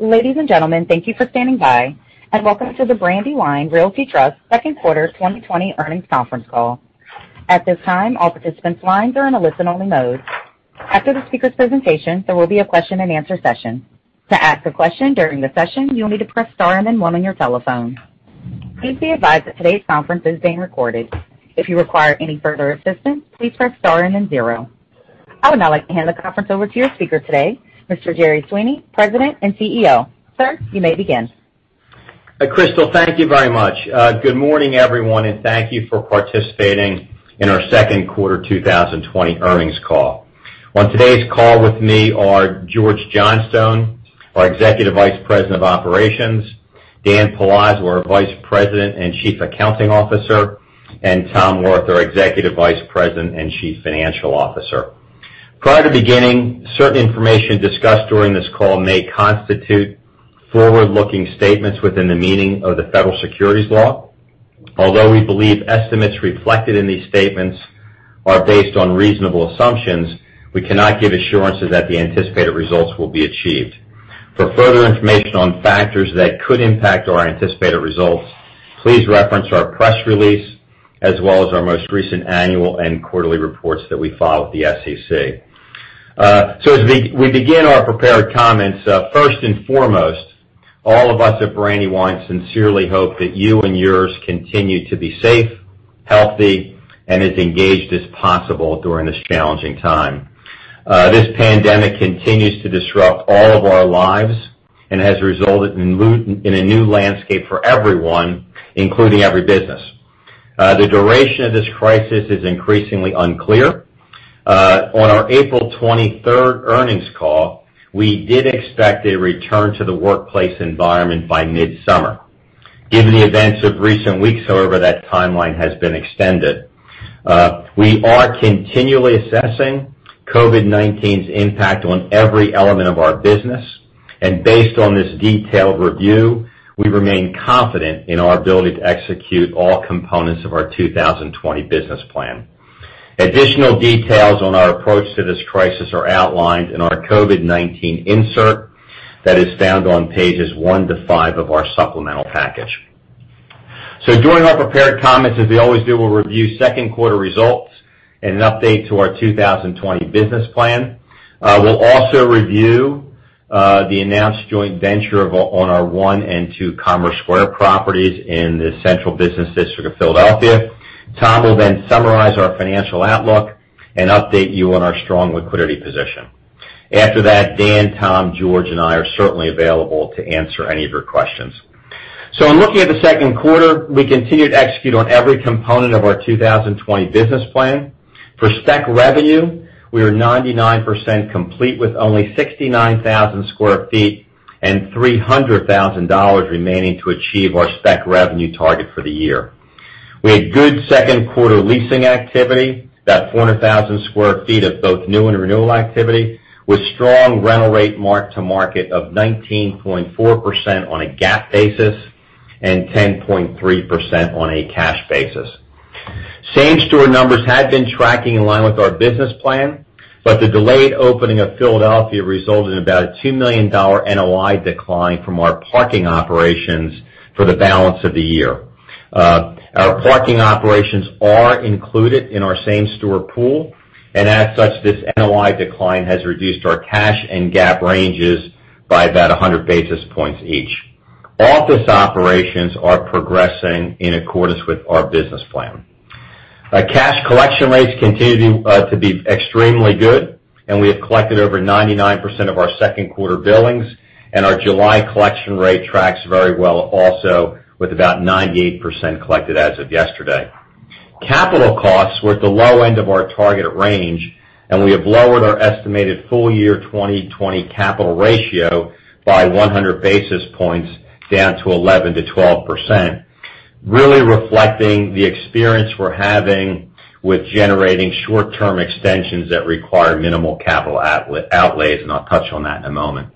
Ladies and gentlemen, thank you for standing by and welcome to the Brandywine Realty Trust Second Quarter 2020 Earnings Conference Call. At this time, all participants' lines are in a listen-only mode. After the speaker presentation, there will be a question and answer session. To ask a question during the session, you will need to press star and then one on your telephone. Please be advised that today's conference is being recorded. If you require any further assistance, please press star and then zero. I would now like to hand the conference over to your speaker today, Mr. Jerry Sweeney, President and Chief Executive Officer. Sir, you may begin. Crystal, thank you very much. Good morning, everyone, and thank you for participating in our second quarter 2020 earnings call. On today's call with me are George Johnstone, our Executive Vice President of Operations, Dan Palazzo, our Vice President and Chief Accounting Officer, and Tom Wirth, our Executive Vice President and Chief Financial Officer. Prior to beginning, certain information discussed during this call may constitute forward-looking statements within the meaning of the federal securities law. Although we believe estimates reflected in these statements are based on reasonable assumptions, we cannot give assurances that the anticipated results will be achieved. For further information on factors that could impact our anticipated results, please reference our press release as well as our most recent annual and quarterly reports that we file with the SEC. As we begin our prepared comments, first and foremost, all of us at Brandywine sincerely hope that you and yours continue to be safe, healthy, and as engaged as possible during this challenging time. This pandemic continues to disrupt all of our lives and has resulted in a new landscape for everyone, including every business. The duration of this crisis is increasingly unclear. On our April 23rd earnings call, we did expect a return to the workplace environment by mid-summer. Given the events of recent weeks, however, that timeline has been extended. We are continually assessing COVID-19's impact on every element of our business, and based on this detailed review, we remain confident in our ability to execute all components of our 2020 business plan. Additional details on our approach to this crisis are outlined in our COVID-19 insert that is found on pages one to five of our supplemental package. During our prepared comments, as we always do, we'll review second quarter results and an update to our 2020 business plan. We'll also review the announced joint venture on our One and Two Commerce Square properties in the Central Business District of Philadelphia. Tom will summarize our financial outlook and update you on our strong liquidity position. After that, Dan, Tom, George, and I are certainly available to answer any of your questions. In looking at the second quarter, we continued to execute on every component of our 2020 business plan. For spec revenue, we are 99% complete with only 69,000 sq ft and $300,000 remaining to achieve our spec revenue target for the year. We had good second quarter leasing activity, about 400,000 sq ft of both new and renewal activity, with strong rental rate mark-to-market of 19.4% on a GAAP basis and 10.3% on a cash basis. Same store numbers had been tracking in line with our business plan, the delayed opening of Philadelphia resulted in about a $2 million NOI decline from our parking operations for the balance of the year. Our parking operations are included in our same-store pool, and as such, this NOI decline has reduced our cash and GAAP ranges by about 100 basis points each. Office operations are progressing in accordance with our business plan. Our cash collection rates continue to be extremely good, and we have collected over 99% of our second quarter billings, and our July collection rate tracks very well also with about 98% collected as of yesterday. Capital costs were at the low end of our targeted range. We have lowered our estimated full year 2020 capital ratio by 100 basis points down to 11%-12%, really reflecting the experience we're having with generating short-term extensions that require minimal capital outlays. I'll touch on that in a moment.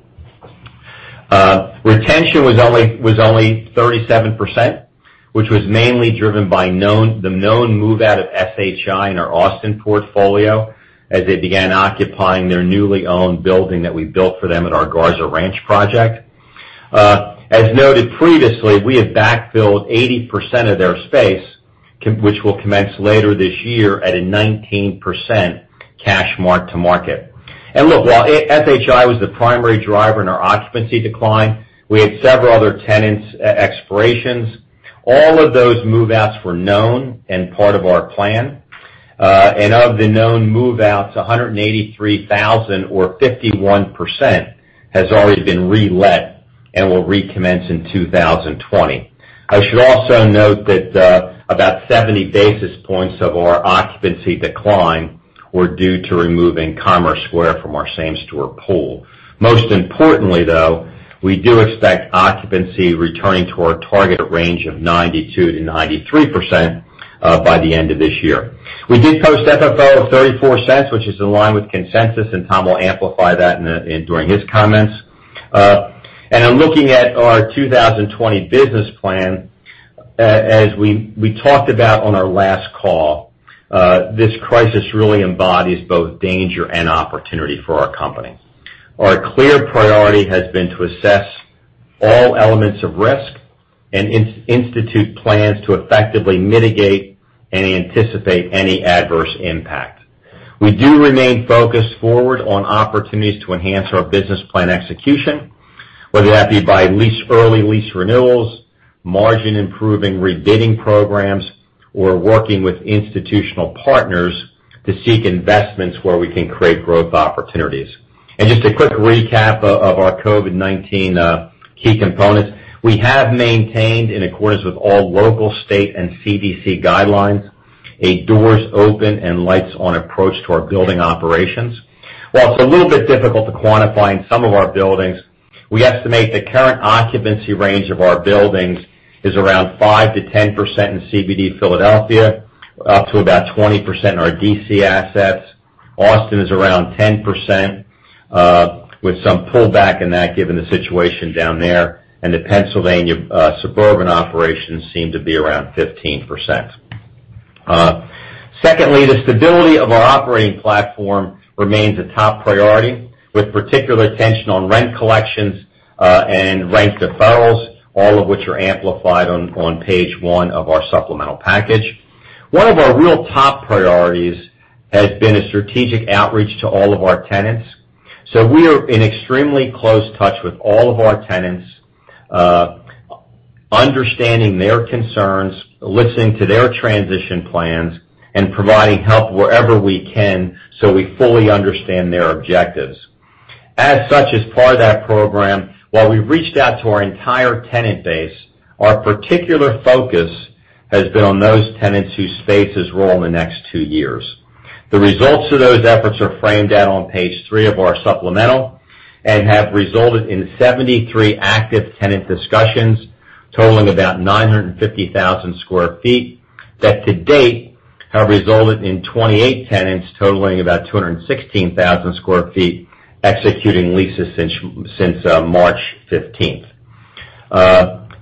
Retention was only 37%, which was mainly driven by the known move-out of SHI in our Austin portfolio as they began occupying their newly owned building that we built for them at our Garza Ranch project. As noted previously, we have backfilled 80% of their space, which will commence later this year at a 19% cash mark-to-market. Look, while SHI was the primary driver in our occupancy decline, we had several other tenants' expirations. All of those move-outs were known and part of our plan. Of the known move-outs, 183,000 or 51% has already been relet and will recommence in 2020. I should also note that about 70 basis points of our occupancy decline were due to removing Commerce Square from our same store pool. Most importantly, though, we do expect occupancy returning to our targeted range of 92%-93% by the end of this year. We did post FFO of $0.34, which is in line with consensus, and Tom will amplify that during his comments. In looking at our 2020 business plan. As we talked about on our last call, this crisis really embodies both danger and opportunity for our company. Our clear priority has been to assess all elements of risk and institute plans to effectively mitigate and anticipate any adverse impact. We do remain focused forward on opportunities to enhance our business plan execution, whether that be by early lease renewals, margin-improving rebidding programs, or working with institutional partners to seek investments where we can create growth opportunities. Just a quick recap of our COVID-19 key components. We have maintained, in accordance with all local, state, and CDC guidelines, a doors open and lights on approach to our building operations. While it's a little bit difficult to quantify in some of our buildings, we estimate the current occupancy range of our buildings is around 5%-10% in CBD Philadelphia, up to about 20% in our D.C. assets. Austin is around 10%, with some pullback in that given the situation down there, and the Pennsylvania suburban operations seem to be around 15%. The stability of our operating platform remains a top priority, with particular attention on rent collections and rent deferrals, all of which are amplified on page one of our supplemental package. One of our real top priorities has been a strategic outreach to all of our tenants. We are in extremely close touch with all of our tenants, understanding their concerns, listening to their transition plans, and providing help wherever we can so we fully understand their objectives. As such, as part of that program, while we've reached out to our entire tenant base, our particular focus has been on those tenants whose spaces roll in the next two years. The results of those efforts are framed out on page three of our supplemental and have resulted in 73 active tenant discussions totaling about 950,000 sq ft that to date have resulted in 28 tenants totaling about 216,000 sq ft executing leases since March 15th.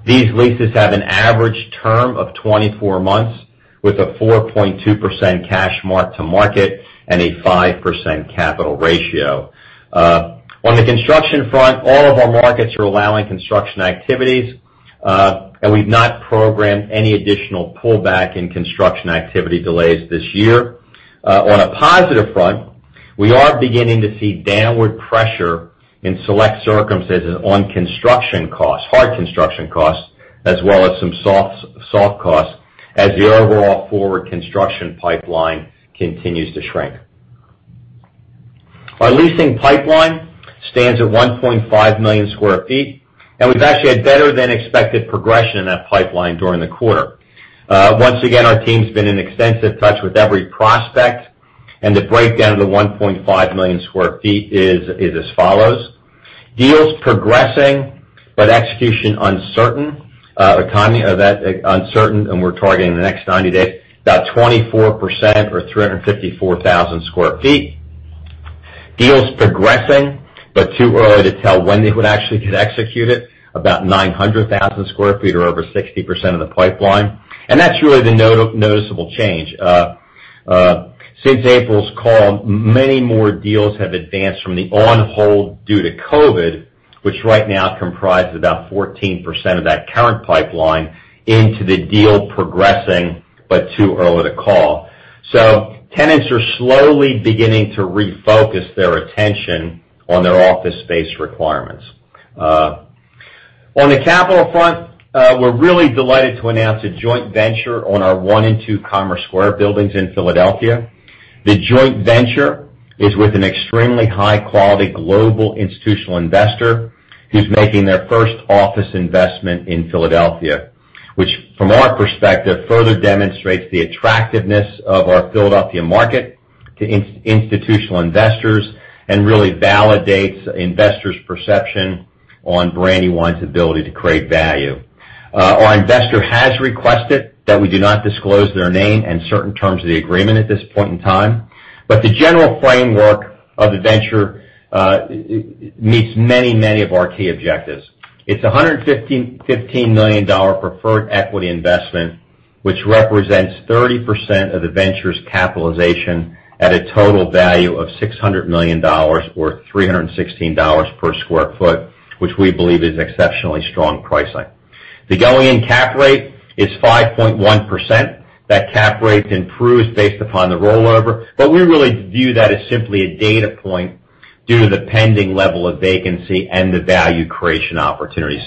These leases have an average term of 24 months with a 4.2% cash mark to market and a 5% capital ratio. On the construction front, all of our markets are allowing construction activities, and we've not programmed any additional pullback in construction activity delays this year. On a positive front, we are beginning to see downward pressure in select circumstances on hard construction costs, as well as some soft costs as the overall forward construction pipeline continues to shrink. Our leasing pipeline stands at 1.5 million square feet, and we've actually had better than expected progression in that pipeline during the quarter. Once again, our team's been in extensive touch with every prospect. The breakdown of the 1.5 million square feet is as follows. Deals progressing, but execution uncertain, economy of that uncertain, and we're targeting the next 90 day, about 24% or 354,000 sq ft. Deals progressing, but too early to tell when they would actually get executed, about 900,000 sq ft or over 60% of the pipeline. That's really the noticeable change. Since April's call, many more deals have advanced from the on-hold due to COVID-19, which right now comprise about 14% of that current pipeline into the deal progressing, but too early to call. Tenants are slowly beginning to refocus their attention on their office space requirements. On the capital front, we're really delighted to announce a joint venture on our One and Two Commerce Square buildings in Philadelphia. The joint venture is with an extremely high-quality global institutional investor who's making their first office investment in Philadelphia, which from our perspective, further demonstrates the attractiveness of our Philadelphia market to institutional investors and really validates investors' perception on Brandywine's ability to create value. Our investor has requested that we do not disclose their name and certain terms of the agreement at this point in time. The general framework of the venture meets many of our key objectives. It's $115 million preferred equity investment, which represents 30% of the venture's capitalization at a total value of $600 million or $316 per square foot, which we believe is exceptionally strong pricing. The going-in cap rate is 5.1%. That cap rate improves based upon the rollover. We really view that as simply a data point due to the pending level of vacancy and the value creation opportunity.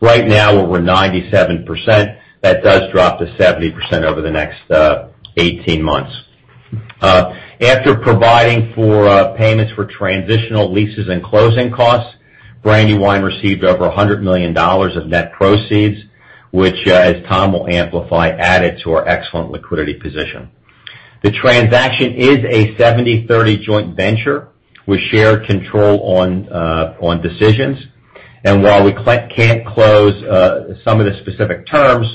Right now we're 97%. That does drop to 70% over the next 18 months. After providing for payments for transitional leases and closing costs, Brandywine received over $100 million of net proceeds, which, as Tom will amplify, added to our excellent liquidity position. The transaction is a 70/30 joint venture with shared control on decisions. While we can't close some of the specific terms,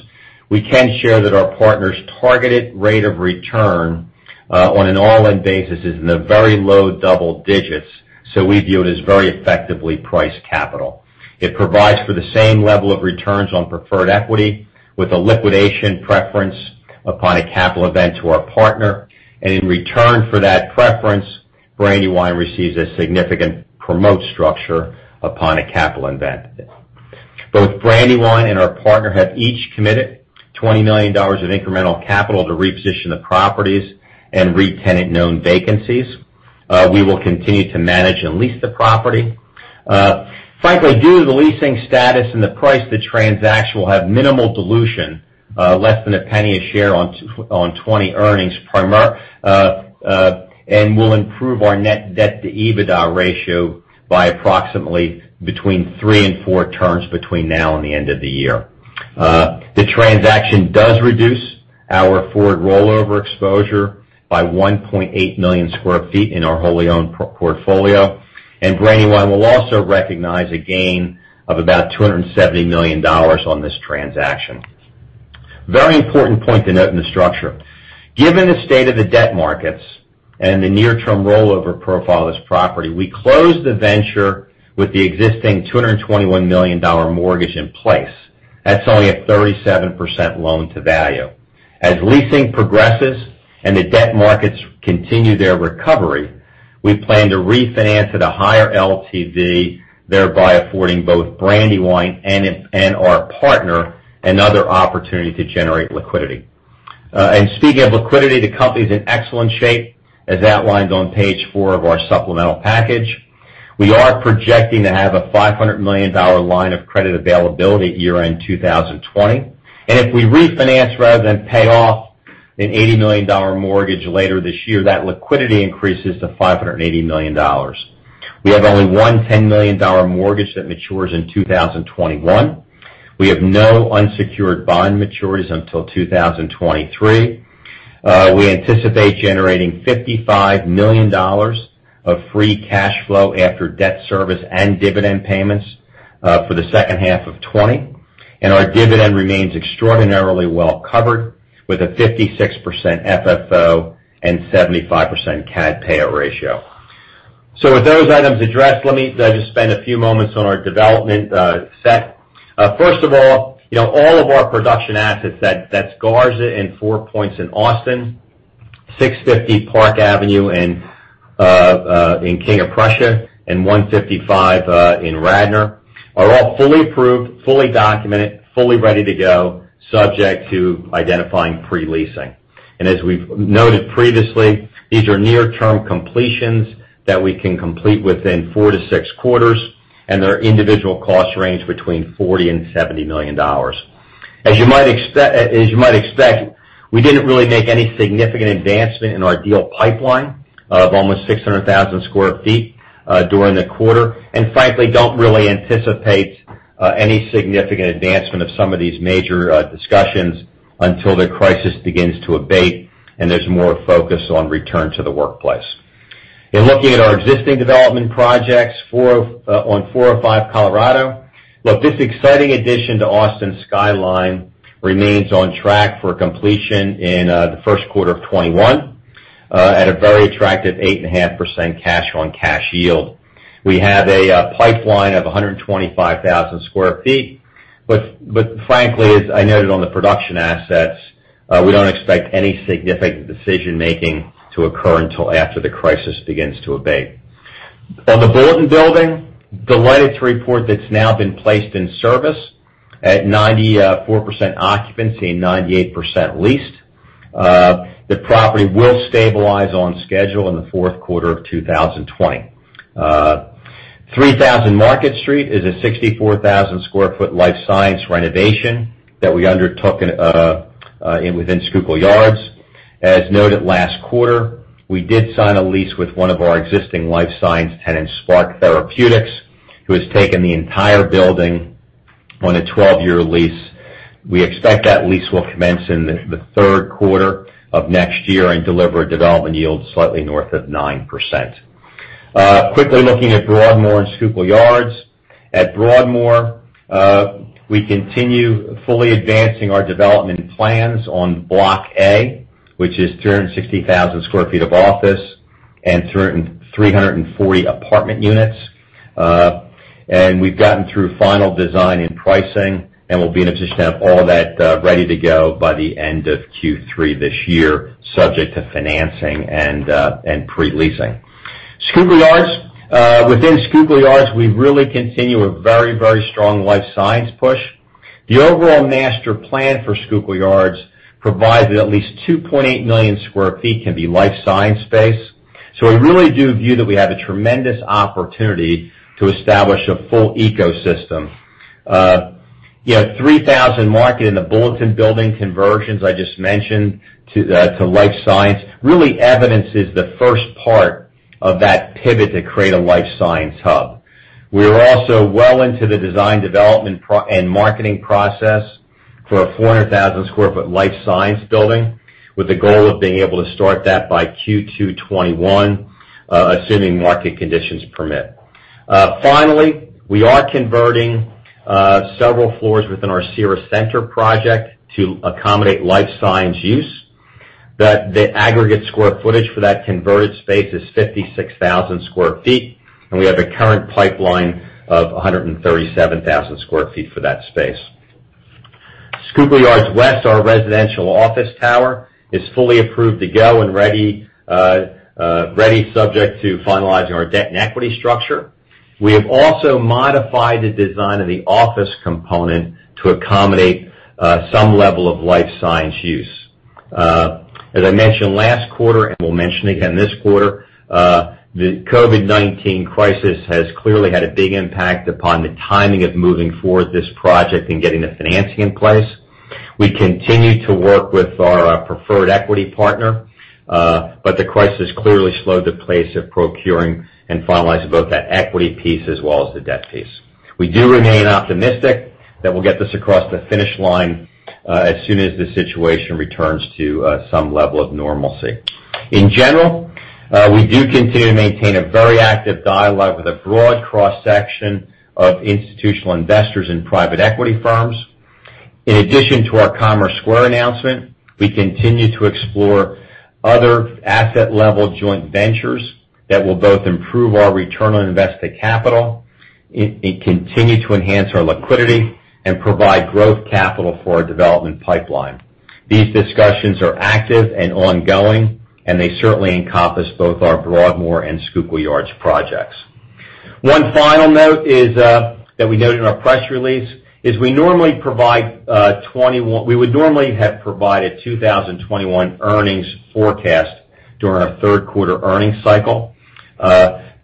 we can share that our partner's targeted rate of return on an all-in basis is in the very low double digits, so we view it as very effectively priced capital. It provides for the same level of returns on preferred equity, with a liquidation preference upon a capital event to our partner. In return for that preference, Brandywine receives a significant promote structure upon a capital event. Both Brandywine and our partner have each committed $20 million of incremental capital to reposition the properties and retenant known vacancies. We will continue to manage and lease the property. Frankly, due to the leasing status and the price, the transaction will have minimal dilution, less than $0.01 a share on 2020 earnings, and will improve our net debt to EBITDA ratio by approximately between three and four turns between now and the end of the year. The transaction does reduce our forward rollover exposure by 1.8 million square feet in our wholly owned portfolio, and Brandywine will also recognize a gain of about $270 million on this transaction. Very important point to note in the structure. Given the state of the debt markets and the near-term rollover profile of this property, we closed the venture with the existing $221 million mortgage in place. That's only a 37% LTV. As leasing progresses and the debt markets continue their recovery, we plan to refinance at a higher LTV, thereby affording both Brandywine and our partner another opportunity to generate liquidity. Speaking of liquidity, the company's in excellent shape, as outlined on page four of our supplemental package. We are projecting to have a $500 million line of credit availability year-end 2020. If we refinance rather than pay off an $80 million mortgage later this year, that liquidity increases to $580 million. We have only one $10 million mortgage that matures in 2021. We have no unsecured bond maturities until 2023. We anticipate generating $55 million of free cash flow after debt service and dividend payments for the second half of 2020, and our dividend remains extraordinarily well covered with a 56% FFO and 75% CAD payout ratio. With those items addressed, let me just spend a few moments on our development set. First of all of our production assets, that's Garza and Four Points in Austin, 650 Park Avenue in King of Prussia, and 155 in Radnor, are all fully approved, fully documented, fully ready to go, subject to identifying pre-leasing. As we've noted previously, these are near-term completions that we can complete within four to six quarters, and their individual costs range between $40 million and $70 million. As you might expect, we didn't really make any significant advancement in our deal pipeline of almost 600,000 sq ft during the quarter, and frankly, don't really anticipate any significant advancement of some of these major discussions until the crisis begins to abate and there's more focus on return to the workplace. In looking at our existing development projects on 405 Colorado. Look, this exciting addition to Austin Skyline remains on track for completion in the first quarter of 2021 at a very attractive 8.5% cash on cash yield. We have a pipeline of 125,000 sq ft, frankly, as I noted on the production assets, we don't expect any significant decision-making to occur until after the crisis begins to abate. On the Bulletin Building, delighted to report that's now been placed in service at 94% occupancy and 98% leased. The property will stabilize on schedule in the fourth quarter of 2020. 3000 Market Street is a 64,000 sq ft life science renovation that we undertook within Schuylkill Yards. As noted last quarter, we did sign a lease with one of our existing life science tenants, Spark Therapeutics, who has taken the entire building on a 12-year lease. We expect that lease will commence in the third quarter of next year and deliver development yields slightly north of 9%. Quickly looking at Broadmoor and Schuylkill Yards. At Broadmoor, we continue fully advancing our development plans on Block A, which is 360,000 sq ft of office and 340 apartment units. We've gotten through final design and pricing, and we'll be in a position to have all that ready to go by the end of Q3 this year, subject to financing and pre-leasing. Schuylkill Yards. Within Schuylkill Yards, we really continue a very strong life science push. The overall master plan for Schuylkill Yards provides that at least 2.8 million square feet can be life science space. We really do view that we have a tremendous opportunity to establish a full ecosystem. 3000 Market and the Bulletin Building conversions I just mentioned to life science really evidences the first part of that pivot to create a life science hub. We're also well into the design, development, and marketing process for a 400,000 sq ft life science building with the goal of being able to start that by Q2 2021, assuming market conditions permit. Finally, we are converting several floors within our Cira Centre project to accommodate life science use. The aggregate square footage for that converted space is 56,000 sq ft, and we have a current pipeline of 137,000 sq ft for that space. Schuylkill Yards West, our residential office tower, is fully approved to go and ready, subject to finalizing our debt and equity structure. We have also modified the design of the office component to accommodate some level of life science use. As I mentioned last quarter, and will mention again this quarter, the COVID-19 crisis has clearly had a big impact upon the timing of moving forward with this project and getting the financing in place. We continue to work with our preferred equity partner, but the crisis clearly slowed the pace of procuring and finalizing both that equity piece as well as the debt piece. We do remain optimistic that we'll get this across the finish line as soon as the situation returns to some level of normalcy. In general, we do continue to maintain a very active dialogue with a broad cross-section of institutional investors and private equity firms. In addition to our Commerce Square announcement, we continue to explore other asset-level joint ventures that will both improve our return on invested capital, continue to enhance our liquidity, and provide growth capital for our development pipeline. These discussions are active and ongoing, and they certainly encompass both our Broadmoor and Schuylkill Yards projects. One final note that we noted in our press release is we would normally have provided 2021 earnings forecast during our third quarter earnings cycle.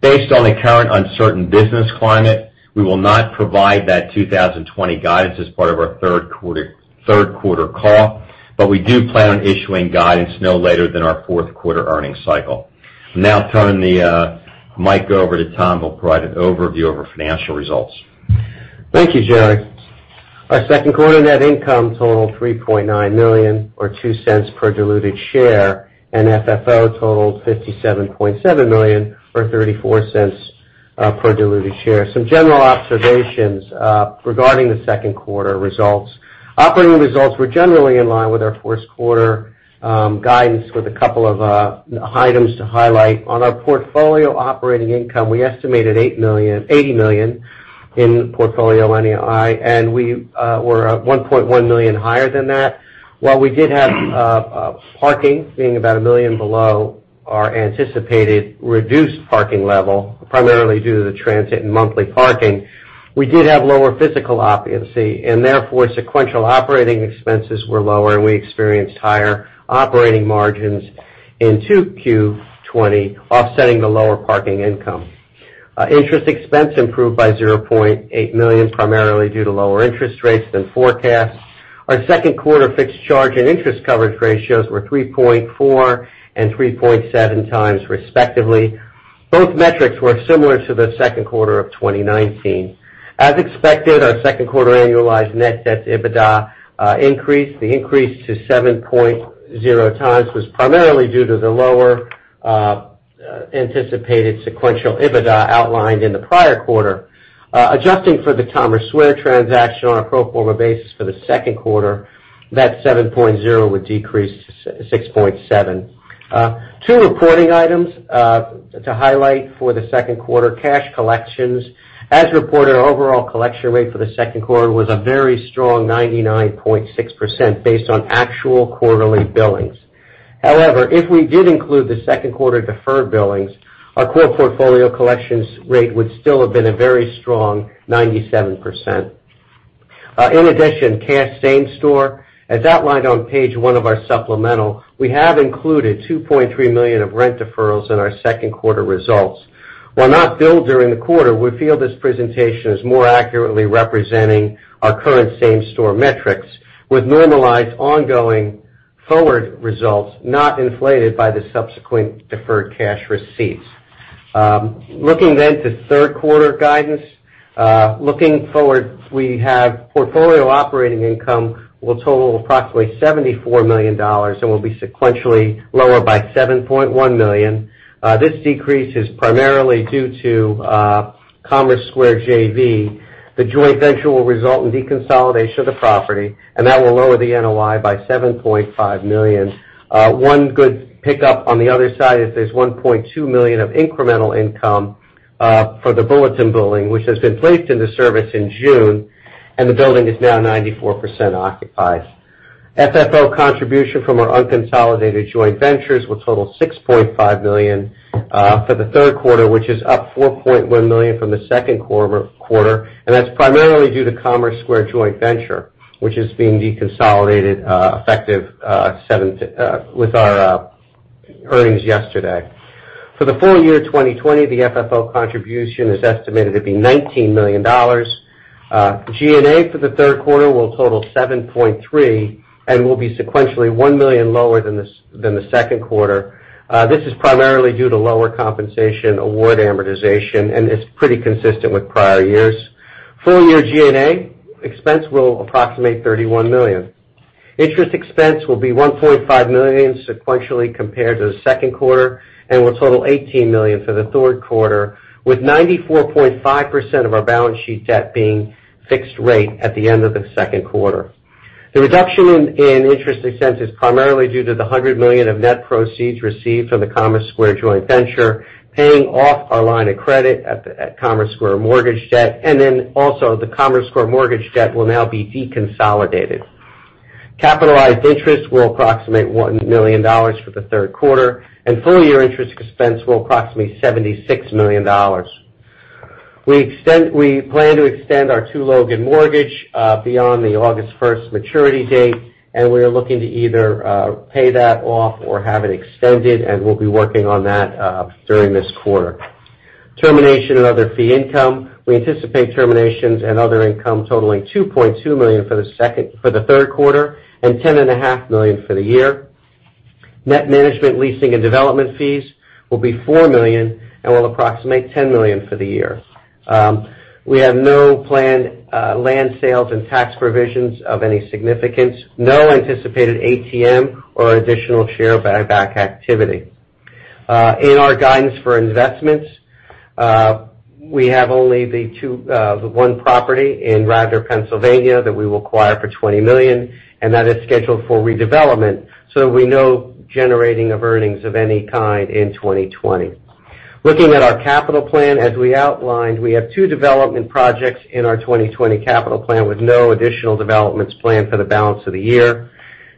Based on the current uncertain business climate, we will not provide that 2020 guidance as part of our third quarter call, but we do plan on issuing guidance no later than our fourth quarter earnings cycle. Now I'll turn the mic over to Tom, who will provide an overview of our financial results. Thank you, Jerry. Our second quarter net income totaled $3.9 million, or $0.02 per diluted share. FFO totaled $57.7 million, or $0.34 per diluted share. Some general observations regarding the second quarter results. Operating results were generally in line with our first quarter guidance, with a couple of items to highlight. On our portfolio operating income, we estimated $80 million in portfolio NOI. We were $1.1 million higher than that. While we did have parking being about $1 million below our anticipated reduced parking level, primarily due to the transit and monthly parking, we did have lower physical occupancy. Therefore, sequential operating expenses were lower. We experienced higher operating margins into Q2 2020, offsetting the lower parking income. Interest expense improved by $0.8 million, primarily due to lower interest rates than forecast. Our second quarter fixed charge and interest coverage ratios were 3.4x and 3.7x respectively. Both metrics were similar to the second quarter of 2019. As expected, our second quarter annualized net debt EBITDA increased. The increase to 7.0x was primarily due to the lower anticipated sequential EBITDA outlined in the prior quarter. Adjusting for the Commerce Square transaction on a pro forma basis for the second quarter, that 7.0 would decrease to 6.7. Two reporting items to highlight for the second quarter. Cash collections. As reported, our overall collection rate for the second quarter was a very strong 99.6% based on actual quarterly billings. If we did include the second quarter deferred billings, our core portfolio collections rate would still have been a very strong 97%. Cash same store. As outlined on page one of our supplemental, we have included $2.3 million of rent deferrals in our second quarter results. While not billed during the quarter, we feel this presentation is more accurately representing our current same store metrics with normalized ongoing forward results not inflated by the subsequent deferred cash receipts. Looking to third quarter guidance. Looking forward, we have portfolio operating income will total approximately $74 million and will be sequentially lower by $7.1 million. This decrease is primarily due to Commerce Square JV. The joint venture will result in deconsolidation of the property, and that will lower the NOI by $7.5 million. One good pickup on the other side is there's $1.2 million of incremental income for the Bulletin building, which has been placed into service in June, and the building is now 94% occupied. FFO contribution from our unconsolidated joint ventures will total $6.5 million for the third quarter, which is up $4.1 million from the second quarter, and that's primarily due to Commerce Square joint venture, which is being deconsolidated effective with our earnings yesterday. For the full year 2020, the FFO contribution is estimated to be $19 million. G&A for the third quarter will total $7.3 million and will be sequentially $1 million lower than the second quarter. This is primarily due to lower compensation award amortization, and it's pretty consistent with prior years. Full year G&A expense will approximate $31 million. Interest expense will be $1.5 million sequentially compared to the second quarter, and will total $18 million for the third quarter, with 94.5% of our balance sheet debt being fixed rate at the end of the second quarter. The reduction in interest expense is primarily due to the $100 million of net proceeds received from the Commerce Square joint venture, paying off our line of credit at Commerce Square mortgage debt, and then also the Commerce Square mortgage debt will now be deconsolidated. Capitalized interest will approximate $1 million for the third quarter, and full-year interest expense will approximate $76 million. We plan to extend our Two Logan mortgage beyond the August 1st maturity date, and we are looking to either pay that off or have it extended, and we'll be working on that during this quarter. Termination and other fee income. We anticipate terminations and other income totaling $2.2 million for the third quarter and $10.5 million for the year. Net management leasing and development fees will be $4 million and will approximate $10 million for the year. We have no planned land sales and tax provisions of any significance. No anticipated ATM or additional share buyback activity. In our guidance for investments, we have only the one property in Radnor, Pennsylvania, that we will acquire for $20 million, and that is scheduled for redevelopment, so no generating of earnings of any kind in 2020. Looking at our capital plan, as we outlined, we have two development projects in our 2020 capital plan with no additional developments planned for the balance of the year.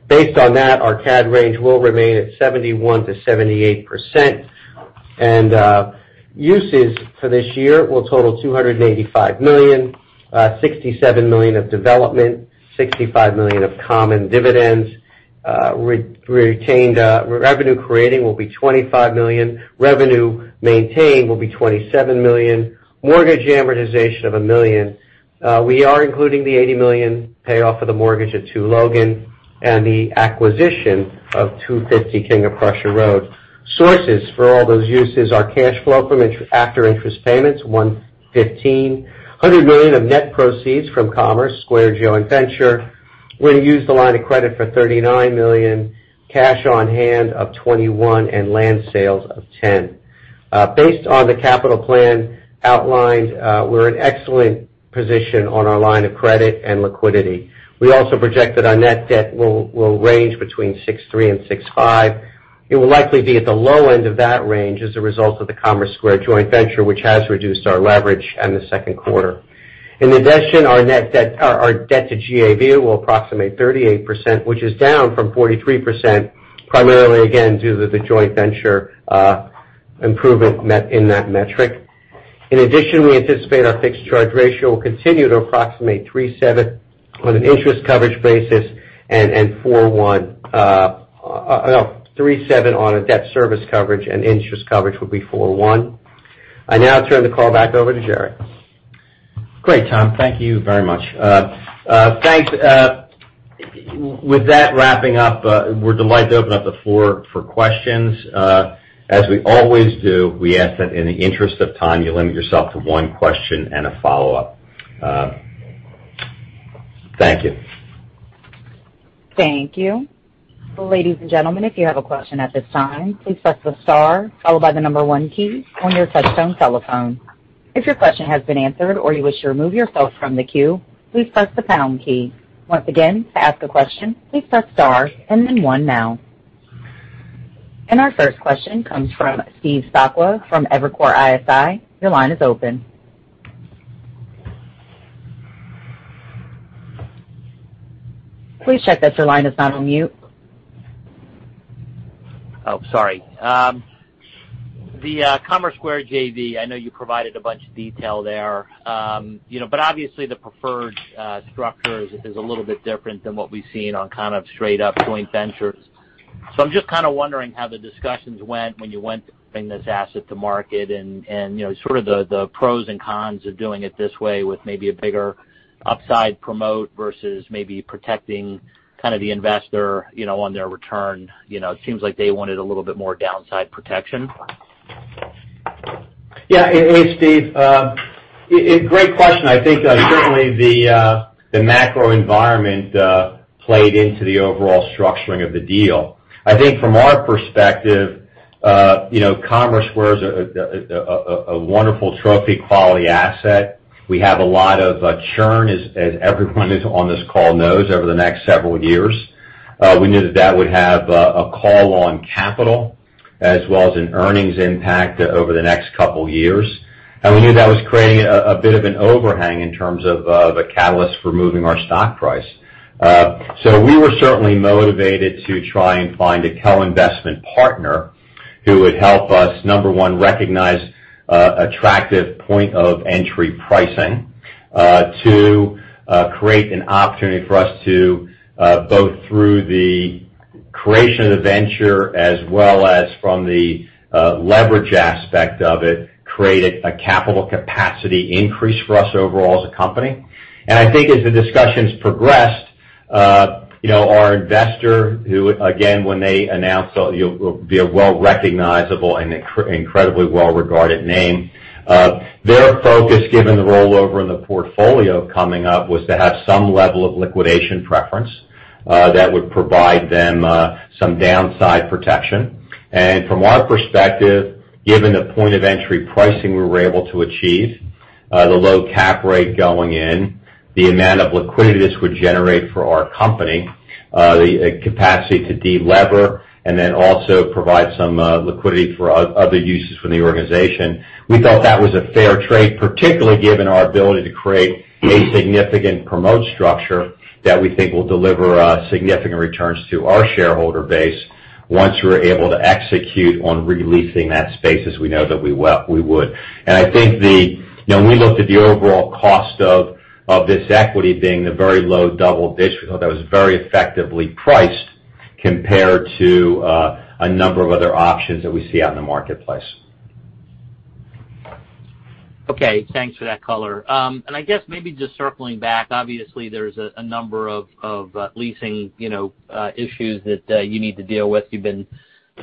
Based on that, our CAD range will remain at 71%-78%. Uses for this year will total $285 million, $67 million of development, $65 million of common dividends. Revenue creating will be $25 million, revenue maintained will be $27 million. Mortgage amortization of $1 million. We are including the $80 million payoff of the mortgage at Two Logan and the acquisition of 250 King of Prussia Road. Sources for all those uses are cash flow from after interest payments, $115 million. Hundred million of net proceeds from Commerce Square joint venture. We're going to use the line of credit for $39 million, cash on hand of $21 million and land sales of $10 million. Based on the capital plan outlined, we're in excellent position on our line of credit and liquidity. We also project that our net debt will range between 6.3 and 6.5. It will likely be at the low end of that range as a result of the Commerce Square joint venture, which has reduced our leverage in the second quarter. In addition, our debt to GAV will approximate 38%, which is down from 43%, primarily, again, due to the joint venture improvement in that metric. In addition, we anticipate our fixed charge ratio will continue to approximate 3.7 on a debt service coverage and interest coverage will be 4.1. I now turn the call back over to Jerry. Great, Tom. Thank you very much. With that wrapping up, we're delighted to open up the floor for questions. As we always do, we ask that in the interest of time, you limit yourself to one question and a follow-up. Thank you. Thank you. Ladies and gentlemen, if you have a question at this time, please press the star followed by the number one key on your touchtone telephone. If your question has been answered or you wish to remove yourself from the queue, please press the pound key. Once again, to ask a question, please press star and then one now. Our first question comes from Steve Sakwa from Evercore ISI. Your line is open. Please check that your line is not on mute. Oh, sorry. The Commerce Square JV, I know you provided a bunch of detail there. Obviously, the preferred structure is a little bit different than what we've seen on kind of straight-up joint ventures. I'm just kind of wondering how the discussions went when you went to bring this asset to market and sort of the pros and cons of doing it this way with maybe a bigger upside promote versus maybe protecting kind of the investor on their return. It seems like they wanted a little bit more downside protection. Yeah. Hey, Steve. Great question. I think certainly the macro environment played into the overall structuring of the deal. I think from our perspective, Commerce Square is a wonderful trophy quality asset. We have a lot of churn, as everyone who's on this call knows, over the next several years. We knew that that would have a call on capital as well as an earnings impact over the next couple of years. We knew that was creating a bit of an overhang in terms of a catalyst for moving our stock price. We were certainly motivated to try and find a co-investment partner who would help us, number one, recognize attractive point of entry pricing. Two, create an opportunity for us to, both through the creation of the venture as well as from the leverage aspect of it, create a capital capacity increase for us overall as a company. I think as the discussions progressed, our investor, who, again, when they announce, it'll be a well-recognizable and incredibly well-regarded name. Their focus, given the rollover in the portfolio coming up, was to have some level of liquidation preference that would provide them some downside protection. From our perspective, given the point of entry pricing we were able to achieve, the low cap rate going in, the amount of liquidity this would generate for our company, the capacity to de-lever, and then also provide some liquidity for other uses for the organization. We thought that was a fair trade, particularly given our ability to create a significant promote structure that we think will deliver significant returns to our shareholder base once we're able to execute on re-leasing that space as we know that we would. I think when we looked at the overall cost of this equity being the very low double-digit, we thought that was very effectively priced compared to a number of other options that we see out in the marketplace. Okay. Thanks for that color. I guess maybe just circling back, obviously there's a number of leasing issues that you need to deal with. You've been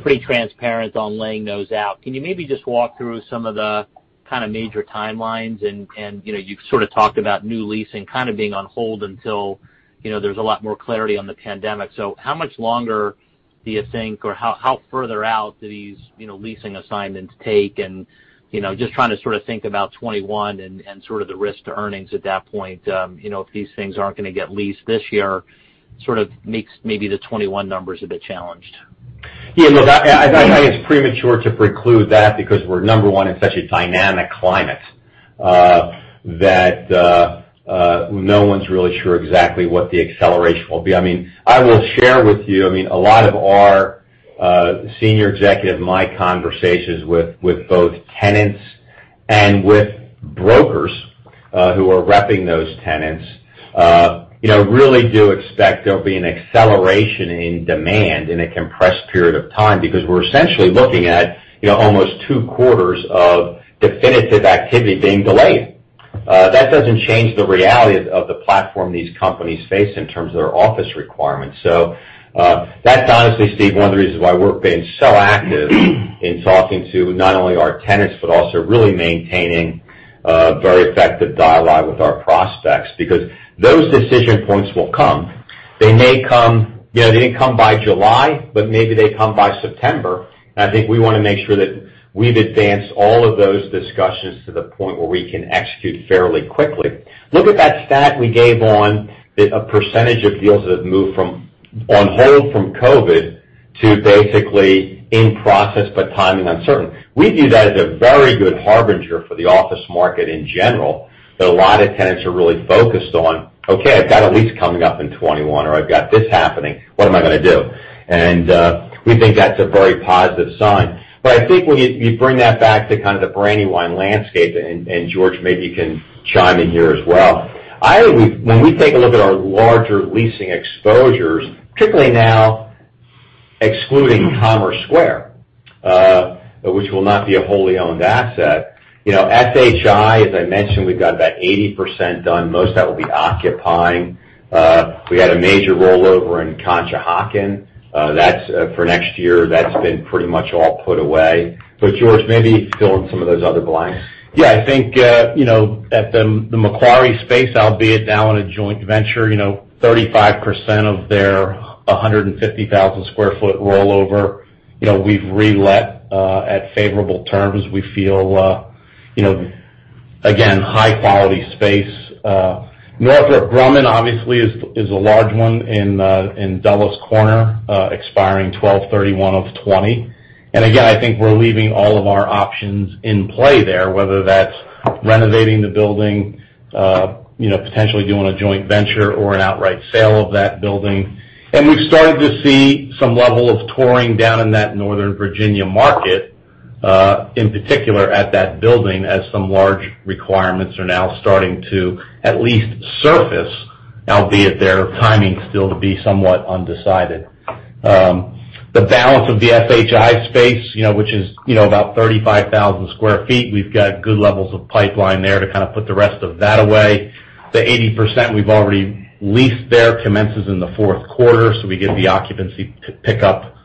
pretty transparent on laying those out. Can you maybe just walk through some of the kind of major timelines and, you've sort of talked about new leasing kind of being on hold until there's a lot more clarity on the pandemic. How much longer do you think, or how further out do these leasing assignments take and, just trying to sort of think about 2021 and sort of the risk to earnings at that point. If these things aren't going to get leased this year, sort of makes maybe the 2021 numbers a bit challenged. Yeah, no. I think it's premature to preclude that because we're, number one, in such a dynamic climate, that no one's really sure exactly what the acceleration will be. I will share with you, I mean, a lot of our senior executive, my conversations with both tenants and with brokers who are repping those tenants, really do expect there'll be an acceleration in demand in a compressed period of time, because we're essentially looking at almost two quarters of definitive activity being delayed. That doesn't change the reality of the platform these companies face in terms of their office requirements. That's honestly, Steve, one of the reasons why we're being so active in talking to not only our tenants, but also really maintaining a very effective dialogue with our prospects, because those decision points will come. They didn't come by July, but maybe they come by September, and I think we want to make sure that we've advanced all of those discussions to the point where we can execute fairly quickly. Look at that stat we gave on a percentage of deals that have moved from on hold from COVID-19 to basically in process, but timing uncertain. We view that as a very good harbinger for the office market in general, that a lot of tenants are really focused on, "Okay, I've got a lease coming up in 2021, or I've got this happening. What am I going to do?" We think that's a very positive sign, but I think when you bring that back to kind of the Brandywine landscape, George maybe can chime in here as well. When we take a look at our larger leasing exposures, particularly now excluding Commerce Square, which will not be a wholly owned asset. SHI, as I mentioned, we've got about 80% done. Most that will be occupying. We had a major rollover in Conshohocken. That's for next year. That's been pretty much all put away. George, maybe fill in some of those other blanks. Yeah. I think, at the Macquarie space, albeit now in a joint venture, 35% of their 150,000 sq ft rollover, we've re-let at favorable terms. We feel, again, high quality space. Northrop Grumman obviously is a large one in Dulles Corner, expiring 12/31/2020. Again, I think we're leaving all of our options in play there, whether that's renovating the building, potentially doing a joint venture or an outright sale of that building. We've started to see some level of touring down in that Northern Virginia market, in particular at that building, as some large requirements are now starting to at least surface, albeit their timing still to be somewhat undecided. The balance of the SHI space, which is about 35,000 sq ft, we've got good levels of pipeline there to kind of put the rest of that away. The 80% we've already leased there commences in the fourth quarter, we get the occupancy pick up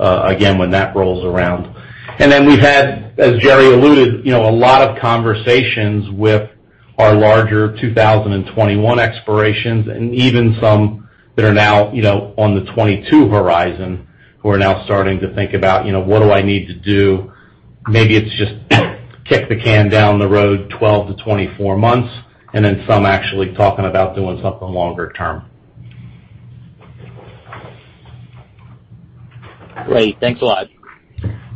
again when that rolls around. We've had, as Jerry alluded, a lot of conversations with our larger 2021 expirations and even some that are now on the 2022 horizon, who are now starting to think about, "What do I need to do?" Maybe it's just kick the can down the road 12-24 months, and then some actually talking about doing something longer term. Great. Thanks a lot.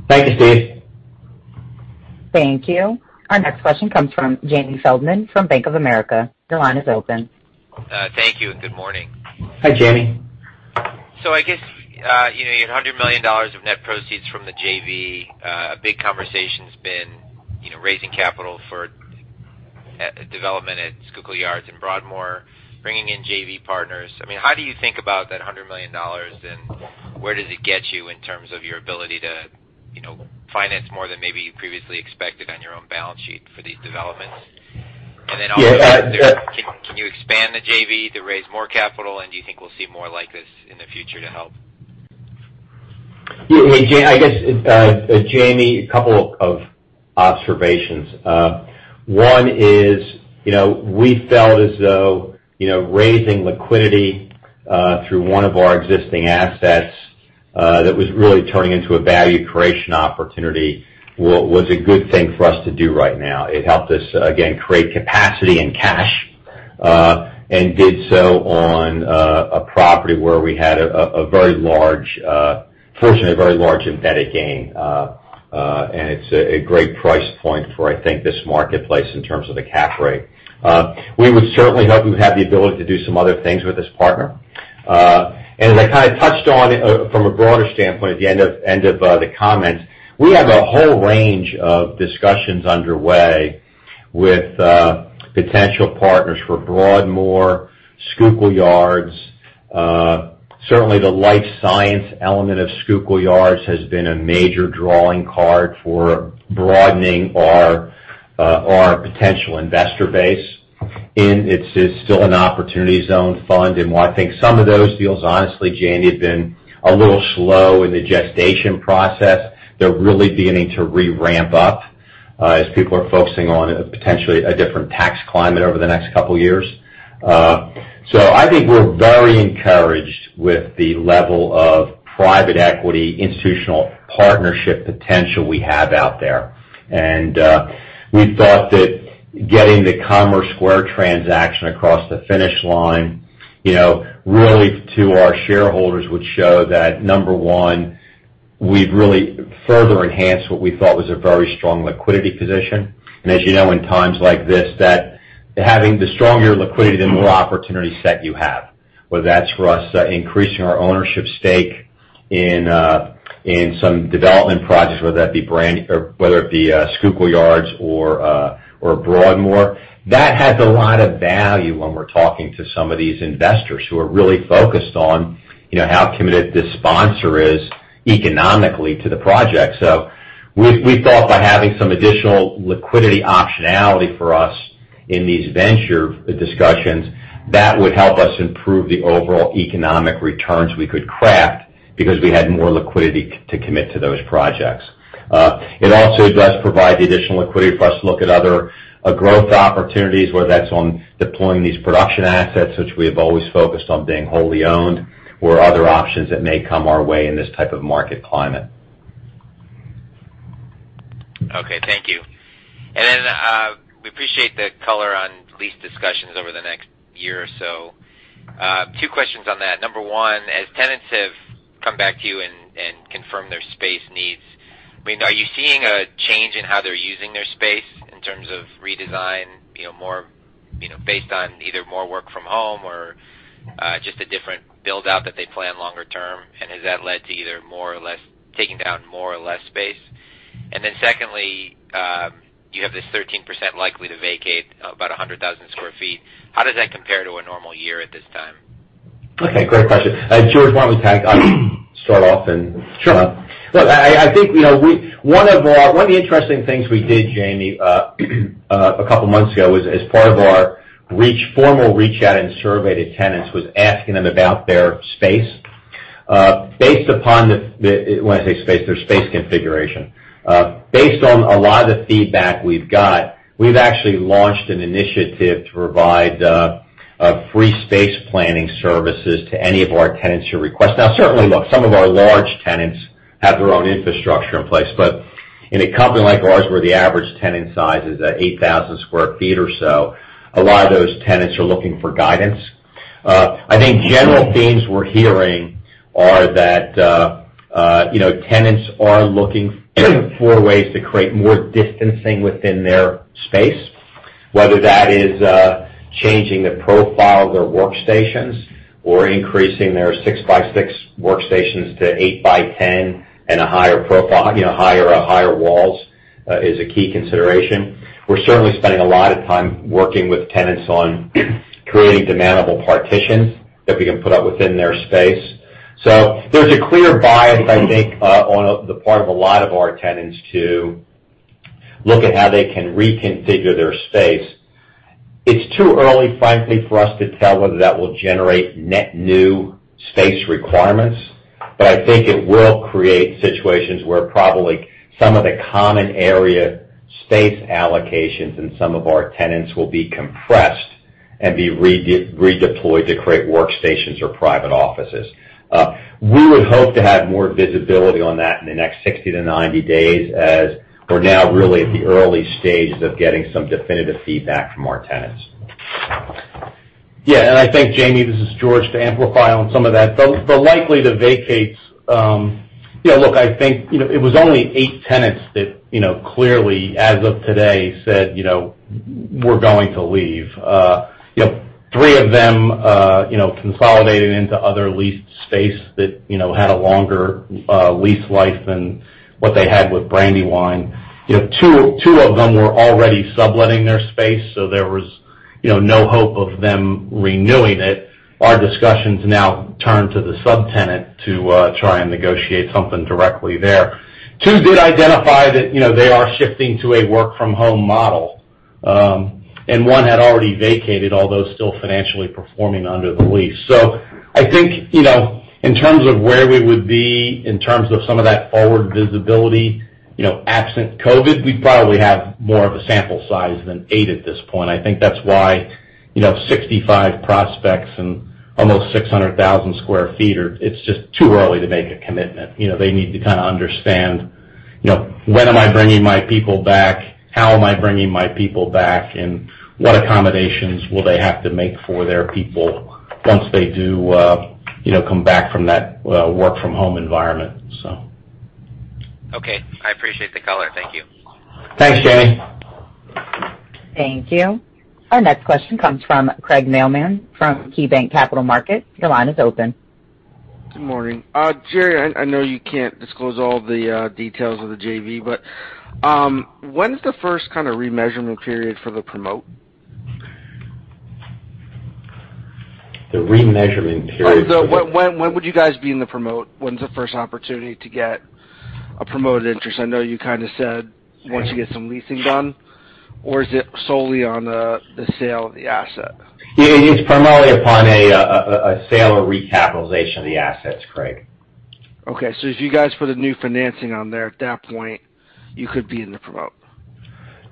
Thank you, Steve. Thank you. Our next question comes from Jamie Feldman from Bank of America. Your line is open. Thank you. Good morning. Hi, Jamie. I guess, your $100 million of net proceeds from the JV, a big conversation's been raising capital for development at Schuylkill Yards and Broadmoor, bringing in JV partners. I mean, how do you think about that $100 million, and where does it get you in terms of your ability to finance more than maybe you previously expected on your own balance sheet for these developments? Can you expand the JV to raise more capital, and do you think we'll see more like this in the future to help? I guess, Jamie, a couple of observations. One is, we felt as though raising liquidity through one of our existing assets that was really turning into a value creation opportunity, was a good thing for us to do right now. It helped us, again, create capacity and cash, and did so on a property where we had a fortunate very large embedded gain. It's a great price point for, I think, this marketplace in terms of the cap rate. We would certainly hope we have the ability to do some other things with this partner. As I kind of touched on from a broader standpoint at the end of the comments, we have a whole range of discussions underway with potential partners for Broadmoor, Schuylkill Yards. Certainly, the life science element of Schuylkill Yards has been a major drawing card for broadening our potential investor base in. It's still an opportunity zone fund, while I think some of those deals, honestly, Jamie, have been a little slow in the gestation process. They're really beginning to re-ramp up as people are focusing on potentially a different tax climate over the next couple of years. I think we're very encouraged with the level of private equity institutional partnership potential we have out there. We thought that getting the Commerce Square transaction across the finish line, really to our shareholders would show that, number one, we've really further enhanced what we thought was a very strong liquidity position. As you know, in times like this, that having the stronger liquidity, the more opportunity set you have, whether that's for us increasing our ownership stake in some development projects, whether that be Schuylkill Yards or Broadmoor. That has a lot of value when we're talking to some of these investors who are really focused on how committed this sponsor is economically to the project. We thought by having some additional liquidity optionality for us in these venture discussions, that would help us improve the overall economic returns we could craft because we had more liquidity to commit to those projects. It also does provide the additional liquidity for us to look at other growth opportunities, whether that's on deploying these production assets, which we have always focused on being wholly owned, or other options that may come our way in this type of market climate. Okay, thank you. We appreciate the color on lease discussions over the next year or so. Two questions on that. Number one, as tenants have come back to you and confirmed their space needs, are you seeing a change in how they're using their space in terms of redesign, based on either more work from home or just a different build-out that they plan longer term? Has that led to either taking down more or less space? Secondly, you have this 13% likely to vacate about 100,000 sq ft. How does that compare to a normal year at this time? Okay, great question. George, why don't we start off. Sure. Look, I think one of the interesting things we did, Jamie, a couple of months ago as part of our formal reach out and survey to tenants was asking them about their space. When I say space, their space configuration. Based on a lot of the feedback we've got, we've actually launched an initiative to provide free space planning services to any of our tenants who request. Now, certainly, look, some of our large tenants have their own infrastructure in place. In a company like ours where the average tenant size is at 8,000 sq ft or so, a lot of those tenants are looking for guidance. I think general themes we're hearing are that tenants are looking for ways to create more distancing within their space, whether that is changing the profile of their workstations or increasing their six-by-six workstations to eight-by-10 and a higher profile, higher walls is a key consideration. We're certainly spending a lot of time working with tenants on creating demountable partitions that we can put up within their space. There's a clear bias, I think, on the part of a lot of our tenants to look at how they can reconfigure their space. It's too early, frankly, for us to tell whether that will generate net new space requirements. I think it will create situations where probably some of the common area space allocations in some of our tenants will be compressed and be redeployed to create workstations or private offices. We would hope to have more visibility on that in the next 60-90 days, as we're now really at the early stages of getting some definitive feedback from our tenants. Yeah. I think, Jamie, this is George, to amplify on some of that. The likely to vacates. Look, I think it was only eight tenants that clearly, as of today, said, "We're going to leave." Three of them consolidated into other leased space that had a longer lease life than what they had with Brandywine. Two of them were already subletting their space, so there was no hope of them renewing it. Our discussions now turn to the subtenant to try and negotiate something directly there. Two did identify that they are shifting to a work-from-home model. One had already vacated, although still financially performing under the lease. I think, in terms of where we would be in terms of some of that forward visibility, absent COVID-19, we'd probably have more of a sample size than eight at this point. I think that's why 65 prospects and almost 600,000 sq ft are. It's just too early to make a commitment. They need to kind of understand, when am I bringing my people back? How am I bringing my people back, and what accommodations will they have to make for their people once they do come back from that work-from-home environment? So. Okay. I appreciate the color. Thank you. Thanks, Jamie. Thank you. Our next question comes from Craig Mailman from KeyBanc Capital Markets. Your line is open. Good morning. Jerry, I know you can't disclose all the details of the JV, when's the first kind of remeasurement period for the promote? The remeasurement period for. When would you guys be in the promote? When is the first opportunity to get a promoted interest? I know you kind of said once you get some leasing done, or is it solely on the sale of the asset? It's primarily upon a sale or recapitalization of the assets, Craig. Okay. If you guys put a new financing on there, at that point, you could be in the promote.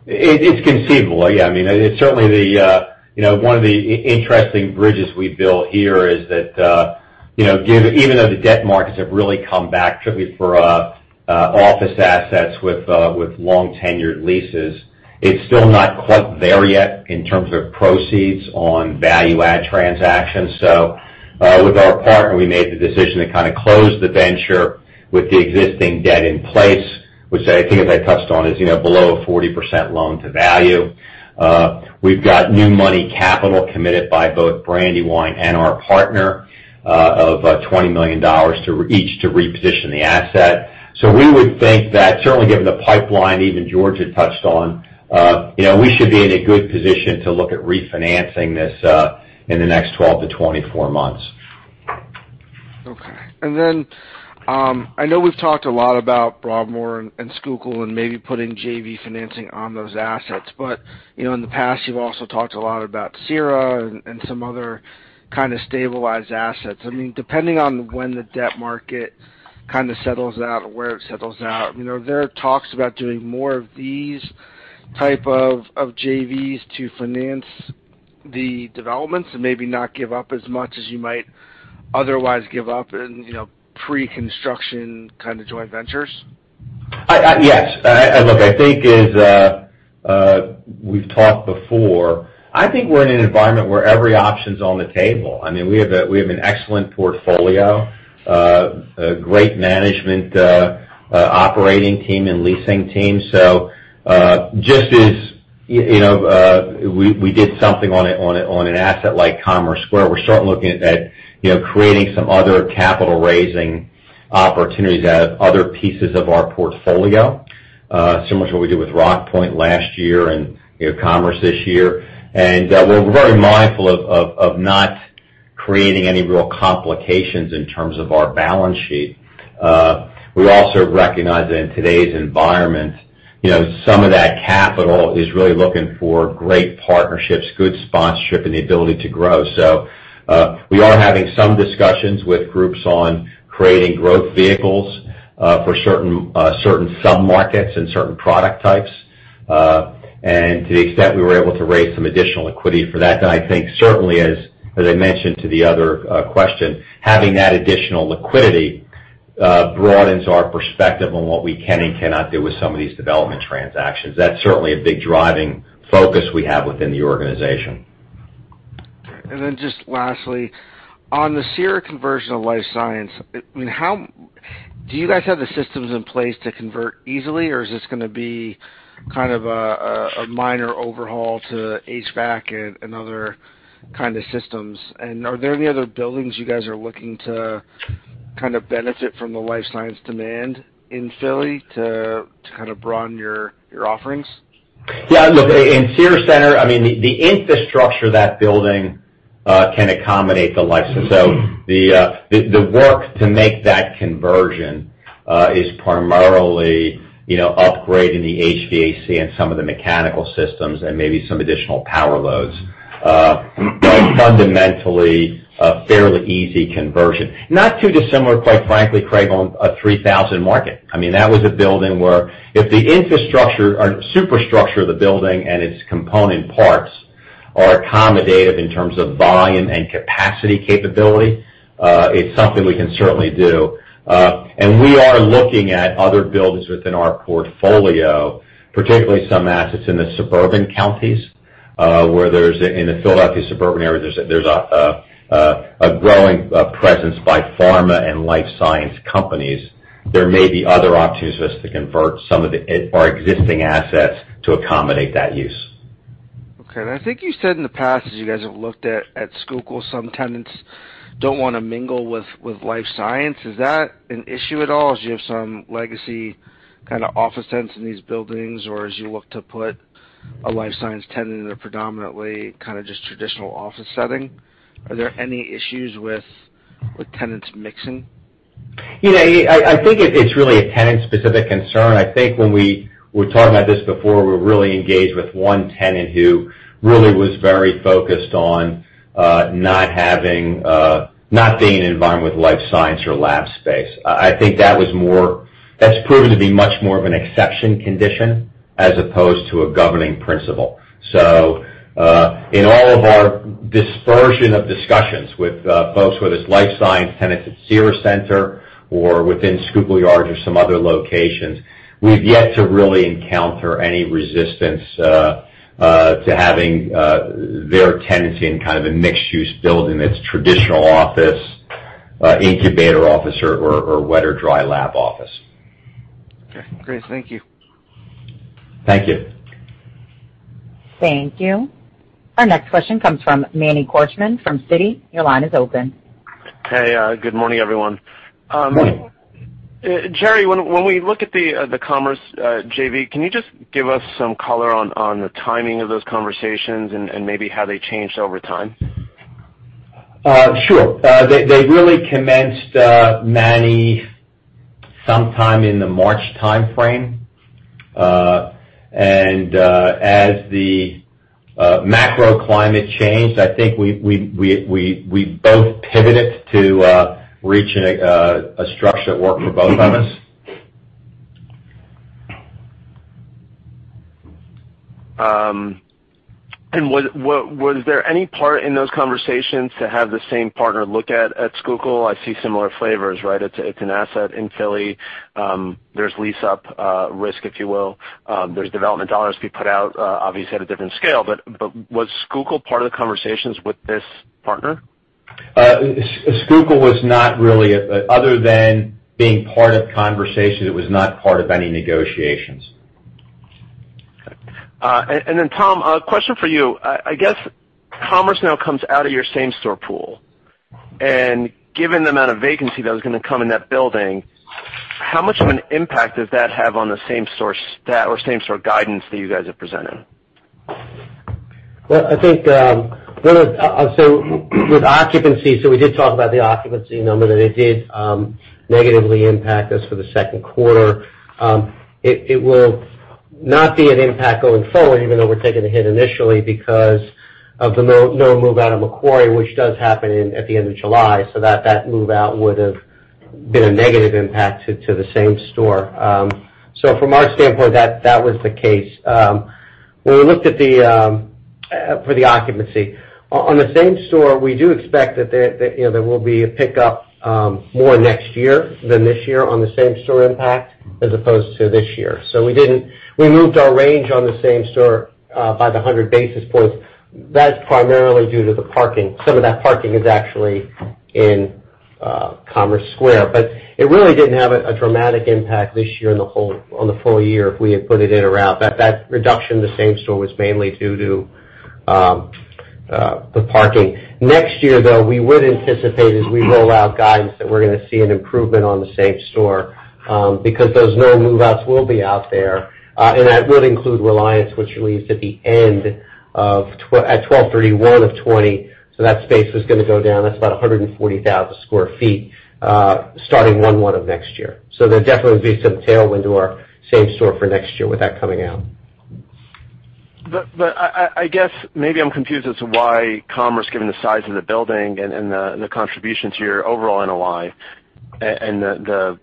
It's conceivable. Yeah. It's certainly one of the interesting bridges we built here, is that even though the debt markets have really come back, particularly for office assets with long-tenured leases, it's still not quite there yet in terms of proceeds on value-add transactions. With our partner, we made the decision to kind of close the venture with the existing debt in place, which I think as I touched on, is below a 40% loan to value. We've got new money capital committed by both Brandywine and our partner of $20 million each to reposition the asset. We would think that certainly given the pipeline even George had touched on, we should be in a good position to look at refinancing this in the next 12-24 months. Okay. I know we've talked a lot about Broadmoor and Schuylkill and maybe putting JV financing on those assets, but in the past, you've also talked a lot about Cira and some other kind of stabilized assets. Depending on when the debt market kind of settles out or where it settles out, are there talks about doing more of these type of JVs to finance the developments and maybe not give up as much as you might otherwise give up in pre-construction kind of joint ventures? Yes. Look, I think as we've talked before, I think we're in an environment where every option's on the table. We have an excellent portfolio, a great management operating team, and leasing team. Just as we did something on an asset like Commerce Square, we're certainly looking at creating some other capital-raising opportunities out of other pieces of our portfolio. Similar to what we did with Rockpoint last year and Commerce this year. We're very mindful of not creating any real complications in terms of our balance sheet. We also recognize that in today's environment, some of that capital is really looking for great partnerships, good sponsorship, and the ability to grow. We are having some discussions with groups on creating growth vehicles for certain sub-markets and certain product types. To the extent we were able to raise some additional equity for that, I think certainly as I mentioned to the other question, having that additional liquidity broadens our perspective on what we can and cannot do with some of these development transactions. That's certainly a big driving focus we have within the organization. Just lastly, on the Cira conversion of life science, do you guys have the systems in place to convert easily, or is this going to be kind of a minor overhaul to HVAC and other kind of systems? Are there any other buildings you guys are looking to kind of benefit from the life science demand in Philly to kind of broaden your offerings? Look, in Cira Centre, the infrastructure of that building can accommodate the life. The work to make that conversion is primarily upgrading the HVAC and some of the mechanical systems and maybe some additional power loads. Fundamentally, a fairly easy conversion. Not too dissimilar, quite frankly, Craig, on a 3000 Market. That was a building where if the infrastructure or superstructure of the building and its component parts are accommodative in terms of volume and capacity capability, it's something we can certainly do. We are looking at other buildings within our portfolio, particularly some assets in the suburban counties. In the Philadelphia suburban area, there's a growing presence by pharma and life science companies. There may be other opportunities for us to convert some of our existing assets to accommodate that use. Okay. I think you said in the past, as you guys have looked at Schuylkill, some tenants don't want to mingle with life science. Is that an issue at all as you have some legacy kind of office tenants in these buildings? As you look to put a life science tenant in a predominantly kind of just traditional office setting, are there any issues with tenants mixing? I think it's really a tenant-specific concern. I think when we were talking about this before, we were really engaged with one tenant who really was very focused on not being in an environment with life science or lab space. I think that's proven to be much more of an exception condition as opposed to a governing principle. In all of our dispersion of discussions with folks, whether it's life science tenants at Cira Centre or within Schuylkill Yards or some other locations, we've yet to really encounter any resistance to having their tenancy in kind of a mixed-use building that's traditional office, incubator office, or wet or dry lab office. Okay, great. Thank you. Thank you. Thank you. Our next question comes from Manny Korchman from Citi. Your line is open. Hey, good morning, everyone. Jerry, when we look at the Commerce JV, can you just give us some color on the timing of those conversations and maybe how they changed over time? Sure. They really commenced, Manny, sometime in the March timeframe. As the macro climate changed, I think we both pivoted to reach a structure that worked for both of us. Was there any part in those conversations to have the same partner look at Schuylkill? I see similar flavors, right? It's an asset in Philly. There's lease-up risk, if you will. There's development dollars to be put out, obviously at a different scale. Was Schuylkill part of the conversations with this partner? Schuylkill was not really. Other than being part of conversations, it was not part of any negotiations. Okay. Tom, a question for you. I guess Commerce now comes out of your same-store pool. Given the amount of vacancy that was going to come in that building, how much of an impact does that have on the same-store stat or same-store guidance that you guys have presented? Well, I'll say with occupancy, we did talk about the occupancy number, that it did negatively impact us for the second quarter. It will not be an impact going forward, even though we're taking a hit initially because of the know move-out of Macquarie, which does happen at the end of July, that move-out would've been a negative impact to the same store. From our standpoint that was the case. When we looked for the occupancy. On the same store, we do expect that there will be a pickup more next year than this year on the same-store impact as opposed to this year. We moved our range on the same store by the 100 basis points. That is primarily due to the parking. Some of that parking is actually in Commerce Square. It really didn't have a dramatic impact this year on the full year if we had put it in or out. That reduction in the same store was mainly due to the parking. Next year, though, we would anticipate as we roll out guidance that we're going to see an improvement on the same store, because those no move-outs will be out there. And that would include Reliance, which leaves at 12/31/2020. That space is going to go down. That's about 140,000 sq ft, starting 01/01/2021. There definitely will be some tailwind to our same store for next year with that coming out. I guess maybe I'm confused as to why Commerce, given the size of the building and the contribution to your overall NOI and the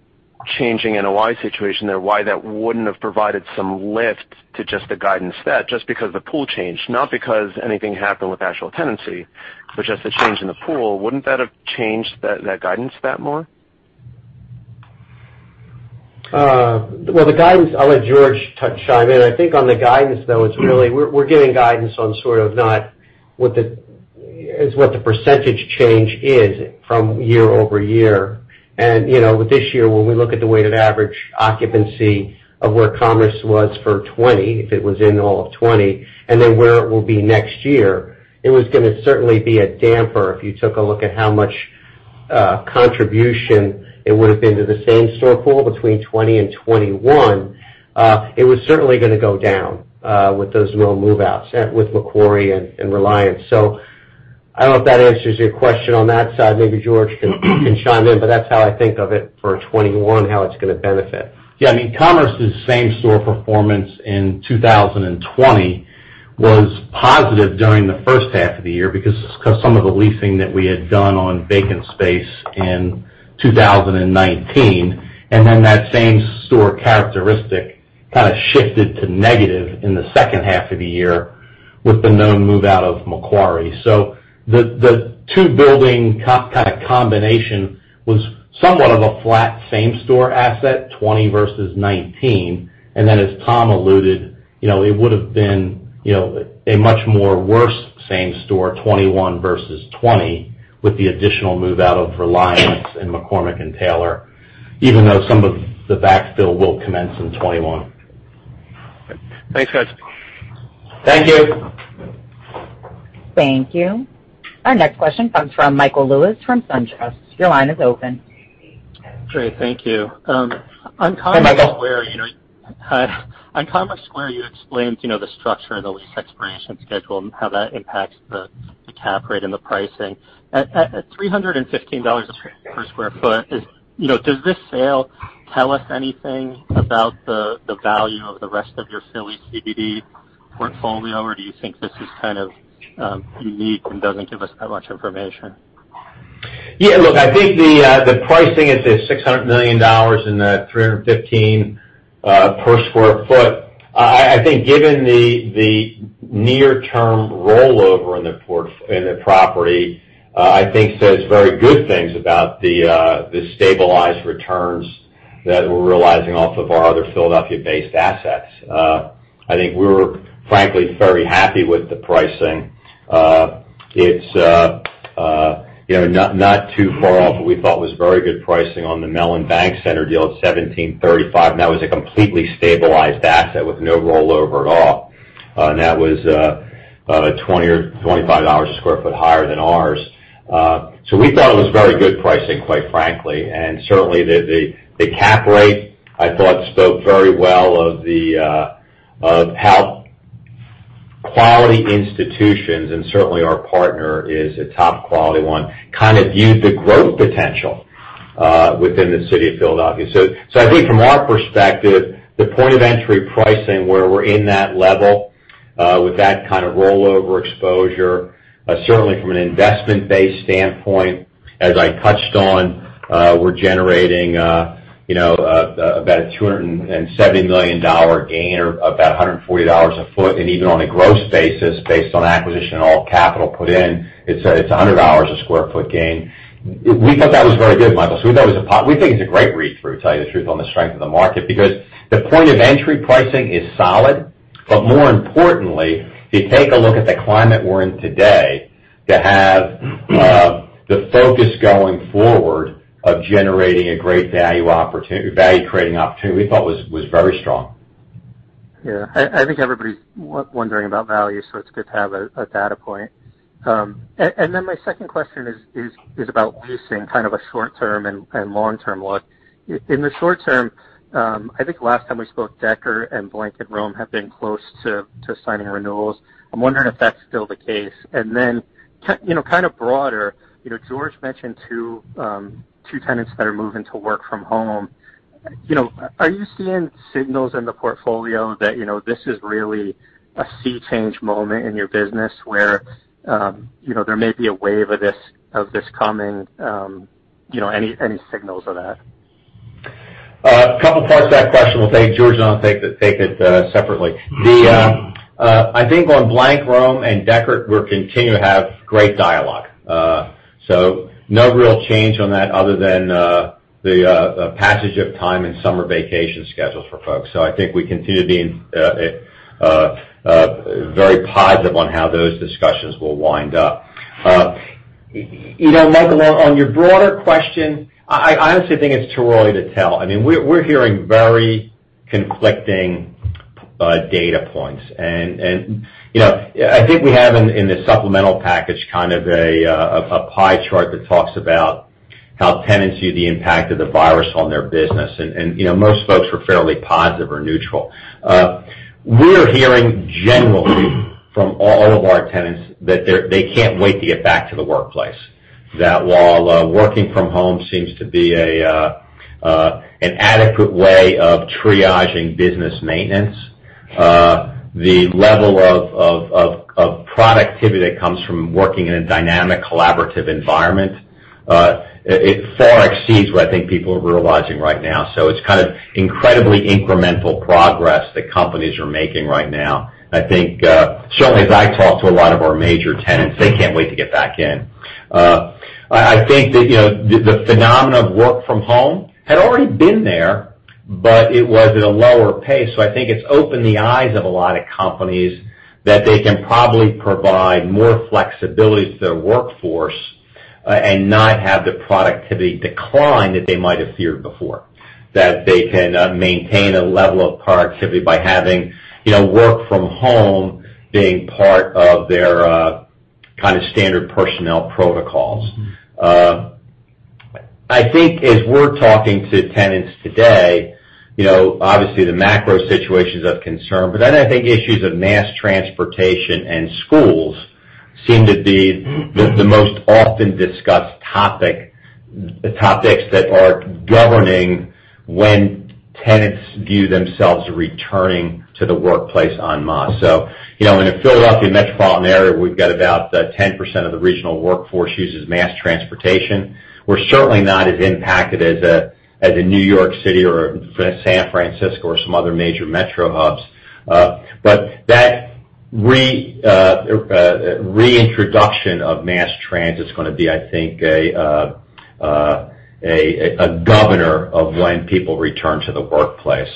changing NOI situation there, why that wouldn't have provided some lift to just the guidance stat, just because the pool changed, not because anything happened with actual tenancy, but just the change in the pool. Wouldn't that have changed that guidance stat more? Well, the guidance, I'll let George chime in. I think on the guidance, though, we're giving guidance on sort of not what the percentage change is from year-over-year. With this year, when we look at the weighted average occupancy of where Commerce was for 2020, if it was in all of 2020, and then where it will be next year, it was going to certainly be a damper if you took a look at how much contribution it would've been to the same store pool between 2020 and 2021. It was certainly going to go down with those no move-outs with Macquarie and Reliance. I don't know if that answers your question on that side. Maybe George can chime in, but that's how I think of it for 2021, how it's going to benefit. Yeah, Commerce's same-store performance in 2020 was positive during the first half of the year because some of the leasing that we had done on vacant space in 2019, then that same-store characteristic kind of shifted to negative in the second half of the year with the no move-out of Macquarie. The two building kind of combination was somewhat of a flat same-store asset, 2020 versus 2019. As Tom alluded, it would've been a much more worse same-store 2021 versus 2020 with the additional move-out of Reliance and McCormick Taylor, even though some of the backfill will commence in 2021. Okay. Thanks, guys. Thank you. Thank you. Our next question comes from Michael Lewis from SunTrust. Your line is open. Great. Thank you. On Commerce Square, you explained the structure of the lease expiration schedule and how that impacts the cap rate and the pricing. At $315 per square feet, does this sale tell us anything about the value of the rest of your Philly CBD portfolio, or do you think this is kind of unique and doesn't give us that much information? Yeah, look, I think the pricing at the $600 million and the $315 per square foot, I think given the near-term rollover in the property, I think says very good things about the stabilized returns that we're realizing off of our other Philadelphia-based assets. I think we're frankly very happy with the pricing. It's not too far off what we thought was very good pricing on the Mellon Bank Center deal at 1735, that was a completely stabilized asset with no rollover at all. That was $20 or $25 a square foot higher than ours. We thought it was very good pricing, quite frankly. Certainly, the cap rate, I thought, spoke very well of how quality institutions, and certainly our partner is a top-quality one, kind of viewed the growth potential within the city of Philadelphia. I think from our perspective, the point of entry pricing where we're in that level with that kind of rollover exposure certainly from an investment-based standpoint, as I touched on, we're generating a $270 million gain or $140 a foot. Even on a gross basis based on acquisition and all capital put in, it's $100 a square foot gain. We thought that was very good, Michael. We thought it was a pop. We think it's a great read-through, to tell you the truth, on the strength of the market, because the point of entry pricing is solid. More importantly, if you take a look at the climate we're in today, to have the focus going forward of generating a great value creating opportunity we thought was very strong. Yeah. I think everybody's wondering about value, it's good to have a data point. My second question is about leasing, kind of a short term and long term look. In the short term, I think last time we spoke, Dechert and Blank Rome have been close to signing renewals. I'm wondering if that's still the case. Kind of broader, George mentioned two tenants that are moving to work from home. Are you seeing signals in the portfolio that this is really a sea change moment in your business where there may be a wave of this coming? Any signals of that? A couple parts to that question. We'll take George and I'll take it separately. I think on Blank Rome and Dechert, we continue to have great dialogue. No real change on that other than the passage of time and summer vacation schedules for folks. I think we continue being very positive on how those discussions will wind up. Michael, on your broader question, I honestly think it's too early to tell. I think we have in the supplemental package kind of a pie chart that talks about how tenants view the impact of the virus on their business. Most folks were fairly positive or neutral. We're hearing generally from all of our tenants that they can't wait to get back to the workplace. While working from home seems to be an adequate way of triaging business maintenance, the level of productivity that comes from working in a dynamic, collaborative environment, it far exceeds what I think people are realizing right now. It's kind of incredibly incremental progress that companies are making right now. I think certainly as I talk to a lot of our major tenants, they can't wait to get back in. I think that the phenomenon of work from home had already been there, but it was at a lower pace. I think it's opened the eyes of a lot of companies that they can probably provide more flexibility to their workforce and not have the productivity decline that they might have feared before. They can maintain a level of productivity by having work from home being part of their kind of standard personnel protocols. I think as we're talking to tenants today, obviously the macro situation's of concern, but then I think issues of mass transportation and schools seem to be the most often discussed topics that are governing when tenants view themselves returning to the workplace en masse. In the Philadelphia metropolitan area, we've got about 10% of the regional workforce uses mass transportation. We're certainly not as impacted as in New York City or San Francisco or some other major metro hubs. That reintroduction of mass transit's going to be, I think, a governor of when people return to the workplace.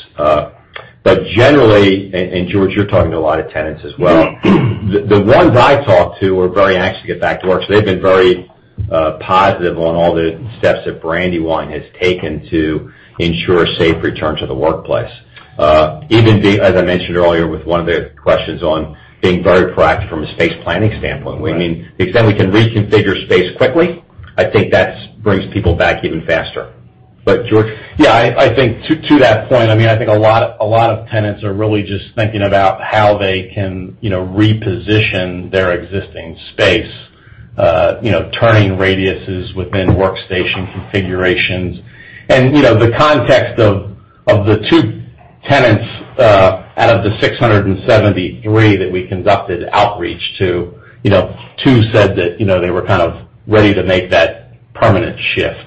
Generally, and George, you're talking to a lot of tenants as well. The ones I talk to are very anxious to get back to work. They've been very positive on all the steps that Brandywine has taken to ensure a safe return to the workplace. Even as I mentioned earlier with one of their questions on being very proactive from a space planning standpoint. We mean the extent we can reconfigure space quickly, I think that brings people back even faster. George. Yeah, I think to that point, I think a lot of tenants are really just thinking about how they can reposition their existing space, turning radiuses within workstation configurations. The context of the two tenants out of the 673 that we conducted outreach to, two said that they were kind of ready to make that permanent shift.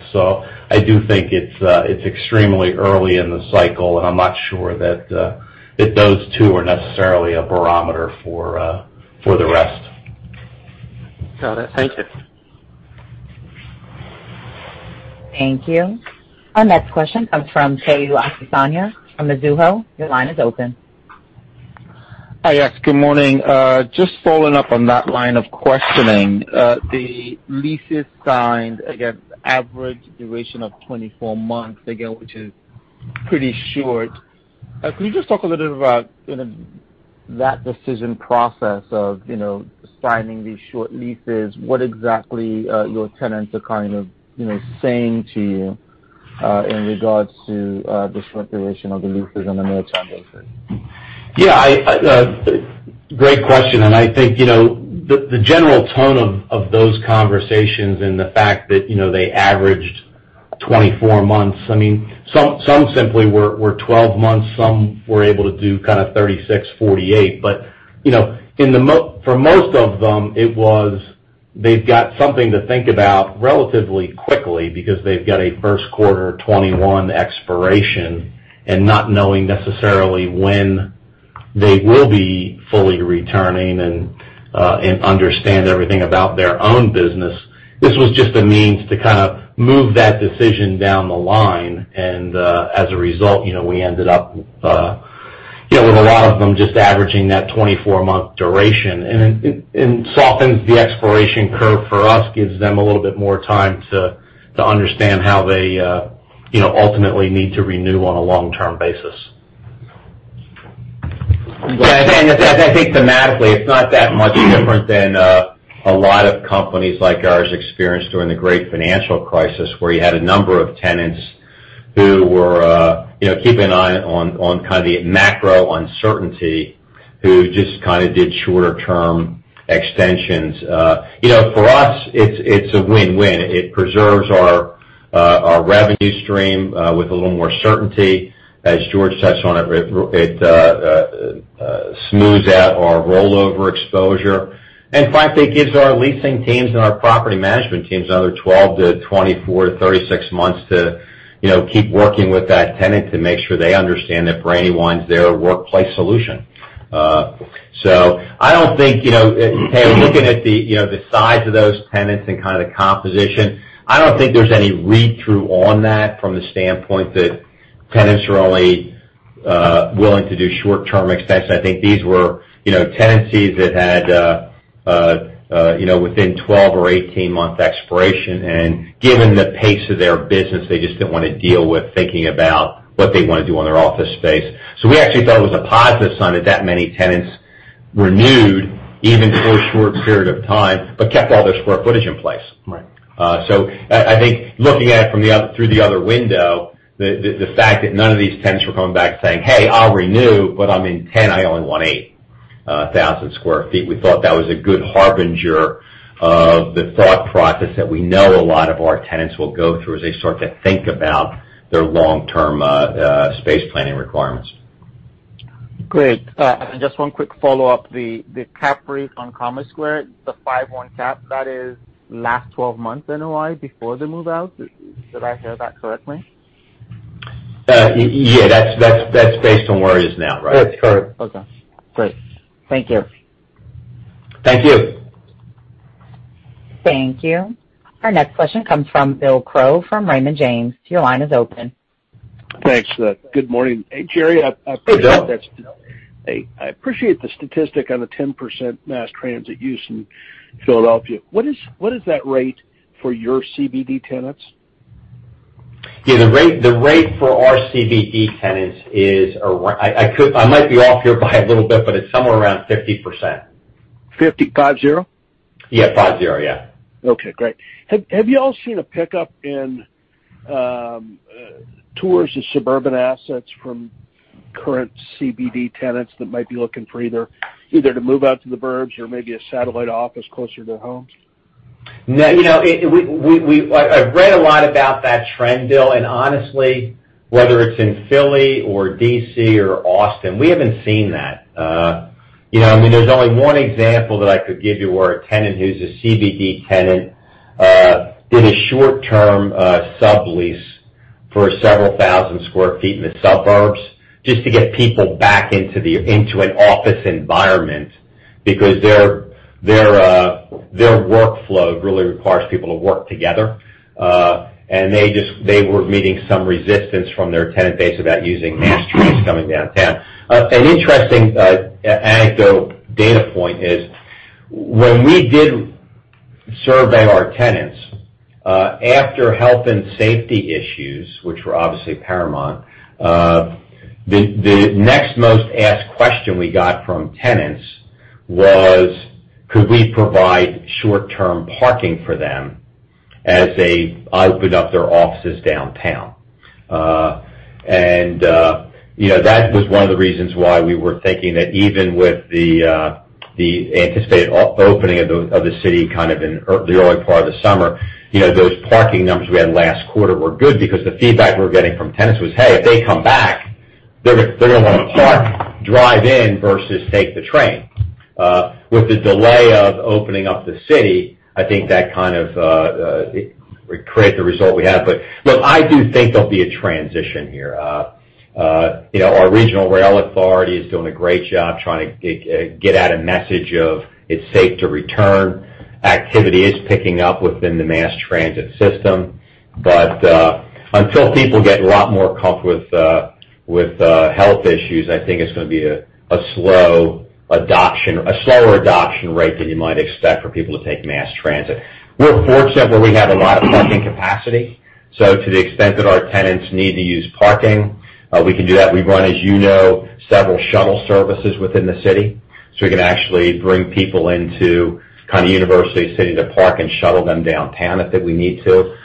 I do think it's extremely early in the cycle, and I'm not sure that those two are necessarily a barometer for the rest. Got it. Thank you. Thank you. Our next question comes from Tayo Okusanya from Mizuho. Your line is open. Hi. Yes, good morning. Just following up on that line of questioning. The leases signed, again, average duration of 24 months, again, which is pretty short. Could you just talk a little bit about that decision process of signing these short leases? What exactly your tenants are kind of saying to you, in regards to the short duration of the leases on a near-term basis? Yeah. Great question. I think, the general tone of those conversations and the fact that they averaged 24 months, some simply were 12 months. Some were able to do kind of 36, 48. For most of them, it was, they've got something to think about relatively quickly because they've got a first quarter 2021 expiration and not knowing necessarily when they will be fully returning and understand everything about their own business. This was just a means to kind of move that decision down the line, and, as a result, we ended up with a lot of them just averaging that 24-month duration. It softens the expiration curve for us, gives them a little bit more time to understand how they ultimately need to renew on a long-term basis. Well said. I think thematically, it's not that much different than a lot of companies like ours experienced during the great financial crisis, where you had a number of tenants who were keeping an eye on kind of the macro uncertainty, who just kind of did shorter term extensions. For us, it's a win-win. It preserves our revenue stream with a little more certainty. As George touched on it smooths out our rollover exposure. Frankly, it gives our leasing teams and our property management teams another 12 to 24 to 36 months to keep working with that tenant to make sure they understand that Brandywine's their workplace solution. I don't think, Tayo, looking at the size of those tenants and kind of the composition, I don't think there's any read-through on that from the standpoint that tenants are only willing to do short-term extension. I think these were tenancies that had within 12 or 18 month expiration. Given the pace of their business, they just didn't want to deal with thinking about what they want to do on their office space. We actually thought it was a positive sign that many tenants renewed, even for a short period of time, but kept all their square footage in place. Right. I think looking at it through the other window, the fact that none of these tenants were coming back saying, "Hey, I'll renew, but I'm in 10, I only want 8,000 sq ft." We thought that was a good harbinger of the thought process that we know a lot of our tenants will go through as they start to think about their long-term space planning requirements. Great. Just one quick follow-up. The cap rate on Commerce Square, the 5.1 cap, that is last 12 months NOI before the move-out. Did I hear that correctly? Yeah. That's based on where it is now, right? That's correct. Okay, great. Thank you. Thank you. Thank you. Our next question comes from Bill Crow from Raymond James. Your line is open. Thanks. Good morning. Hey, Jerry. Hey, Bill. I appreciate the statistic on the 10% mass transit use in Philadelphia. What is that rate for your CBD tenants? Yeah, the rate for our CBD tenants is around, I might be off here by a little bit, but it's somewhere around 50%. 50? five, zero? Yeah. Five, zero. Yeah. Okay, great. Have you all seen a pickup in towards the suburban assets from current CBD tenants that might be looking for either to move out to the burbs or maybe a satellite office closer to homes? I've read a lot about that trend, Bill, and honestly, whether it's in Philly or D.C. or Austin, we haven't seen that. There's only one example that I could give you where a tenant who's a CBD tenant, did a short-term sublease for several thousand square feet in the suburbs just to get people back into an office environment because their workflow really requires people to work together. They were meeting some resistance from their tenant base about using mass transit coming downtown. An interesting anecdote data point is when we did survey our tenants, after health and safety issues, which were obviously paramount, the next most asked question we got from tenants Could we provide short-term parking for them as they open up their offices downtown? That was one of the reasons why we were thinking that even with the anticipated opening of the city kind of in the early part of the summer, those parking numbers we had last quarter were good because the feedback we were getting from tenants was, "Hey, if they come back, they're going to want to park, drive in versus take the train." With the delay of opening up the city, I think that kind of created the result we had. Look, I do think there'll be a transition here. Our regional rail authority is doing a great job trying to get out a message of it's safe to return. Activity is picking up within the mass transit system. Until people get a lot more comfortable with health issues, I think it's going to be a slower adoption rate than you might expect for people to take mass transit. We're fortunate where we have a lot of parking capacity. To the extent that our tenants need to use parking, we can do that. We run, as you know, several shuttle services within the city, so we can actually bring people into kind of University City to park and shuttle them downtown if we need to.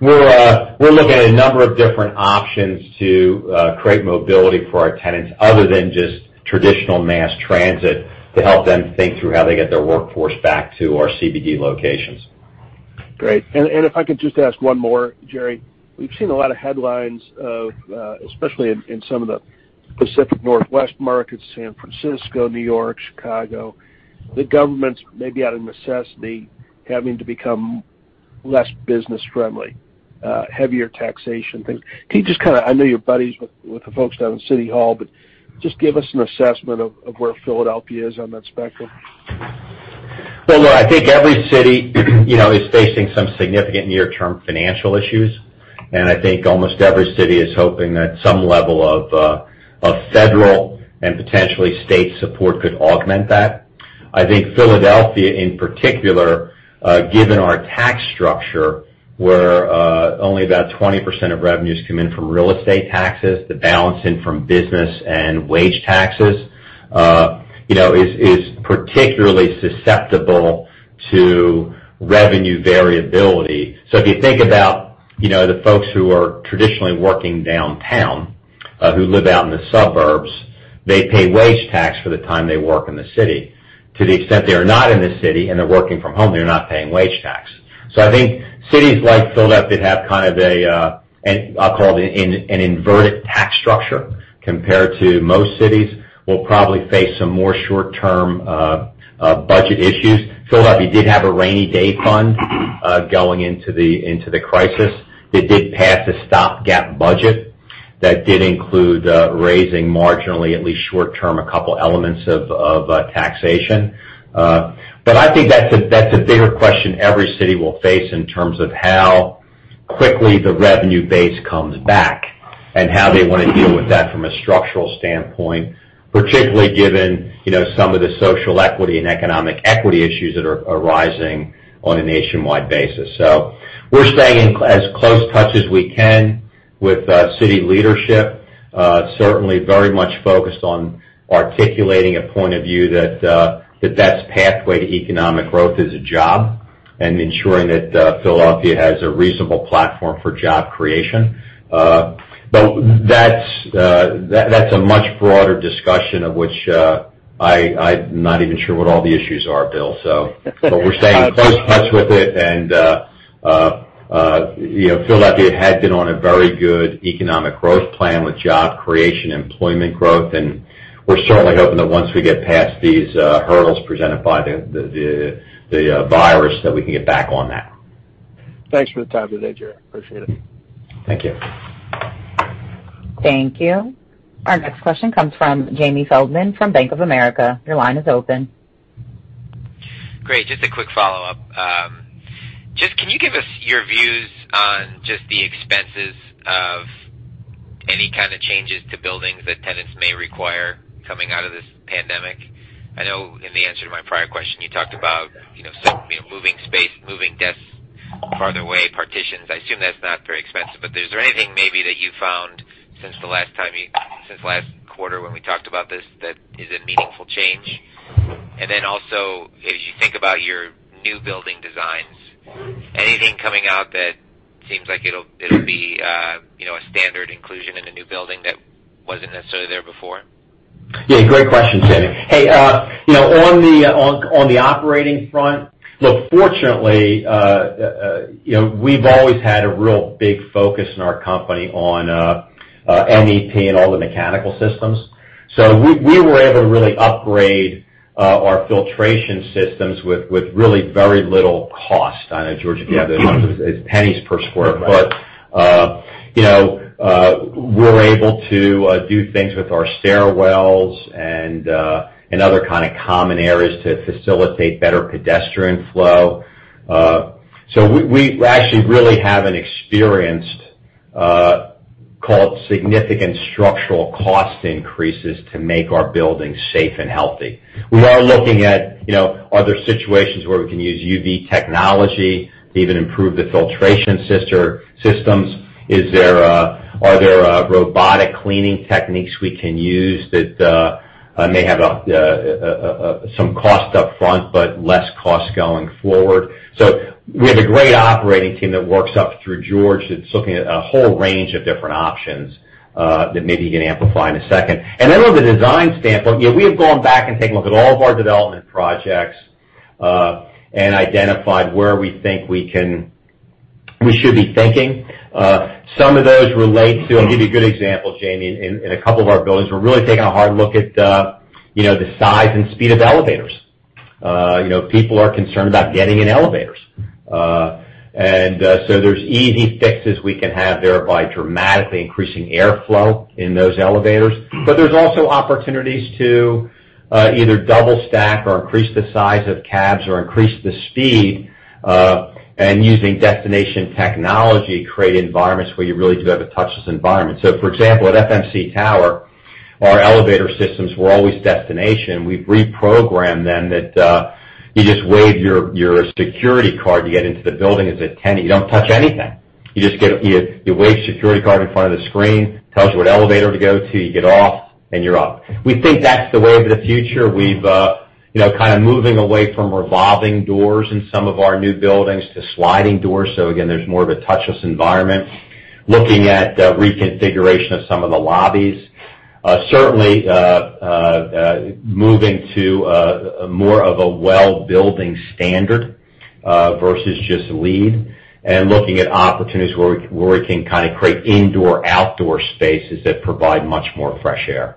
We're looking at a number of different options to create mobility for our tenants other than just traditional mass transit to help them think through how they get their workforce back to our CBD locations. Great. If I could just ask one more, Jerry. We've seen a lot of headlines of, especially in some of the Pacific Northwest markets, San Francisco, New York, Chicago, the governments may be out of necessity, having to become less business-friendly, heavier taxation things. I know you're buddies with the folks down in City Hall, just give us an assessment of where Philadelphia is on that spectrum. Look, I think every city is facing some significant near-term financial issues, and I think almost every city is hoping that some level of federal and potentially state support could augment that. I think Philadelphia in particular, given our tax structure, where only about 20% of revenues come in from real estate taxes, the balance in from business and wage taxes is particularly susceptible to revenue variability. If you think about the folks who are traditionally working downtown, who live out in the suburbs, they pay wage tax for the time they work in the city. To the extent they are not in the city and they're working from home, they're not paying wage tax. I think cities like Philadelphia have kind of a, I'll call it an inverted tax structure compared to most cities, will probably face some more short-term budget issues. Philadelphia did have a rainy day fund going into the crisis. They did pass a stop-gap budget that did include raising marginally, at least short-term, two elements of taxation. I think that's a bigger question every city will face in terms of how quickly the revenue base comes back and how they want to deal with that from a structural standpoint, particularly given some of the social equity and economic equity issues that are arising on a nationwide basis. We're staying as close touch as we can with city leadership. Certainly very much focused on articulating a point of view that the best pathway to economic growth is a job, and ensuring that Philadelphia has a reasonable platform for job creation. That's a much broader discussion of which I'm not even sure what all the issues are, Bill. We're staying close touch with it. Philadelphia had been on a very good economic growth plan with job creation, employment growth, and we're certainly hoping that once we get past these hurdles presented by the virus, that we can get back on that. Thanks for the time today, Jerry. Appreciate it. Thank you. Thank you. Our next question comes from Jamie Feldman from Bank of America. Your line is open. Great. Just a quick follow-up. Can you give us your views on just the expenses of any kind of changes to buildings that tenants may require coming out of this pandemic? I know in the answer to my prior question, you talked about moving space, moving desks farther away, partitions. I assume that's not very expensive, but is there anything maybe that you found since last quarter when we talked about this that is a meaningful change? As you think about your new building designs, anything coming out that seems like it'll be a standard inclusion in a new building that wasn't necessarily there before? Yeah, great question, Jamie. Hey, on the operating front, look, fortunately, we've always had a real big focus in our company on MEP and all the mechanical systems. We were able to really upgrade our filtration systems with really very little cost. I know, George, if you have the numbers, it's pennies per square foot. We're able to do things with our stairwells and other kind of common areas to facilitate better pedestrian flow. We actually really haven't experienced significant structural cost increases to make our buildings safe and healthy. We are looking at other situations where we can use UV technology to even improve the filtration systems. Are there robotic cleaning techniques we can use that it may have some cost up front, but less cost going forward. We have a great operating team that works up through George that's looking at a whole range of different options that maybe he can amplify in a second. On the design standpoint, we have gone back and taken a look at all of our development projects, and identified where we think we should be thinking. I'll give you a good example, Jamie. In a couple of our buildings, we're really taking a hard look at the size and speed of elevators. People are concerned about getting in elevators. There's easy fixes we can have there by dramatically increasing airflow in those elevators. There's also opportunities to either double stack or increase the size of cabs, or increase the speed, and using destination technology to create environments where you really do have a touchless environment. For example, at FMC Tower, our elevator systems were always destination. We've reprogrammed them that you just wave your security card to get into the building as a tenant. You don't touch anything. You wave your security card in front of the screen, it tells you what elevator to go to, you get off, and you're up. We think that's the way of the future. We're kind of moving away from revolving doors in some of our new buildings to sliding doors. Again, there's more of a touchless environment. Looking at reconfiguration of some of the lobbies. Certainly, moving to more of a WELL Building Standard versus just LEED, and looking at opportunities where we can kind of create indoor outdoor spaces that provide much more fresh air.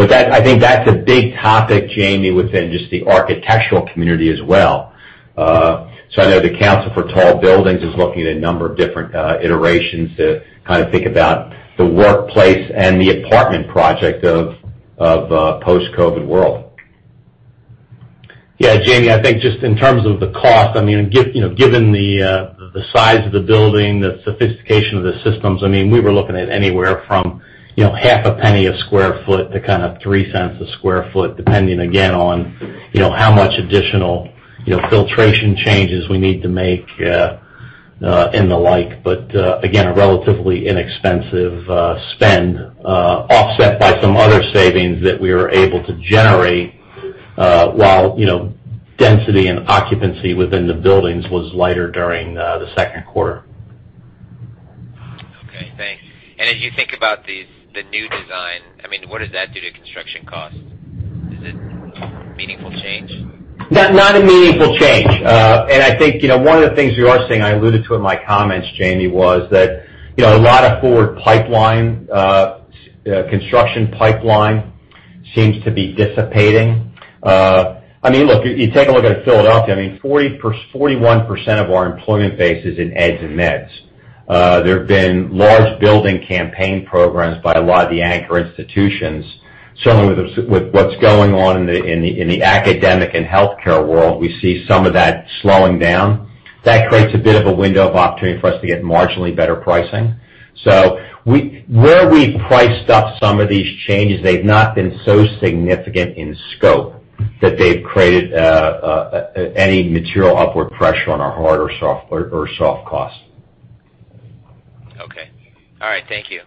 I think that's a big topic, Jamie, within just the architectural community as well. I know the Council on Tall Buildings is looking at a number of different iterations to kind of think about the workplace and the apartment project of a post-COVID world. Jamie, I think just in terms of the cost, given the size of the building, the sophistication of the systems, we were looking at anywhere from half a penny a square foot to kind of $0.03 a square foot, depending, again, on how much additional filtration changes we need to make, and the like. Again, a relatively inexpensive spend, offset by some other savings that we were able to generate, while density and occupancy within the buildings was lighter during the second quarter. Okay, thanks. As you think about the new design, what does that do to construction costs? Is it a meaningful change? Not a meaningful change. I think one of the things we are seeing, I alluded to in my comments, Jamie, was that a lot of forward pipeline, construction pipeline seems to be dissipating. Look, you take a look at Philadelphia, 41% of our employment base is in eds and meds. There have been large building campaign programs by a lot of the anchor institutions. Certainly with what's going on in the academic and healthcare world, we see some of that slowing down. That creates a bit of a window of opportunity for us to get marginally better pricing. Where we've priced up some of these changes, they've not been so significant in scope that they've created any material upward pressure on our hard or soft costs. Okay. All right. Thank you.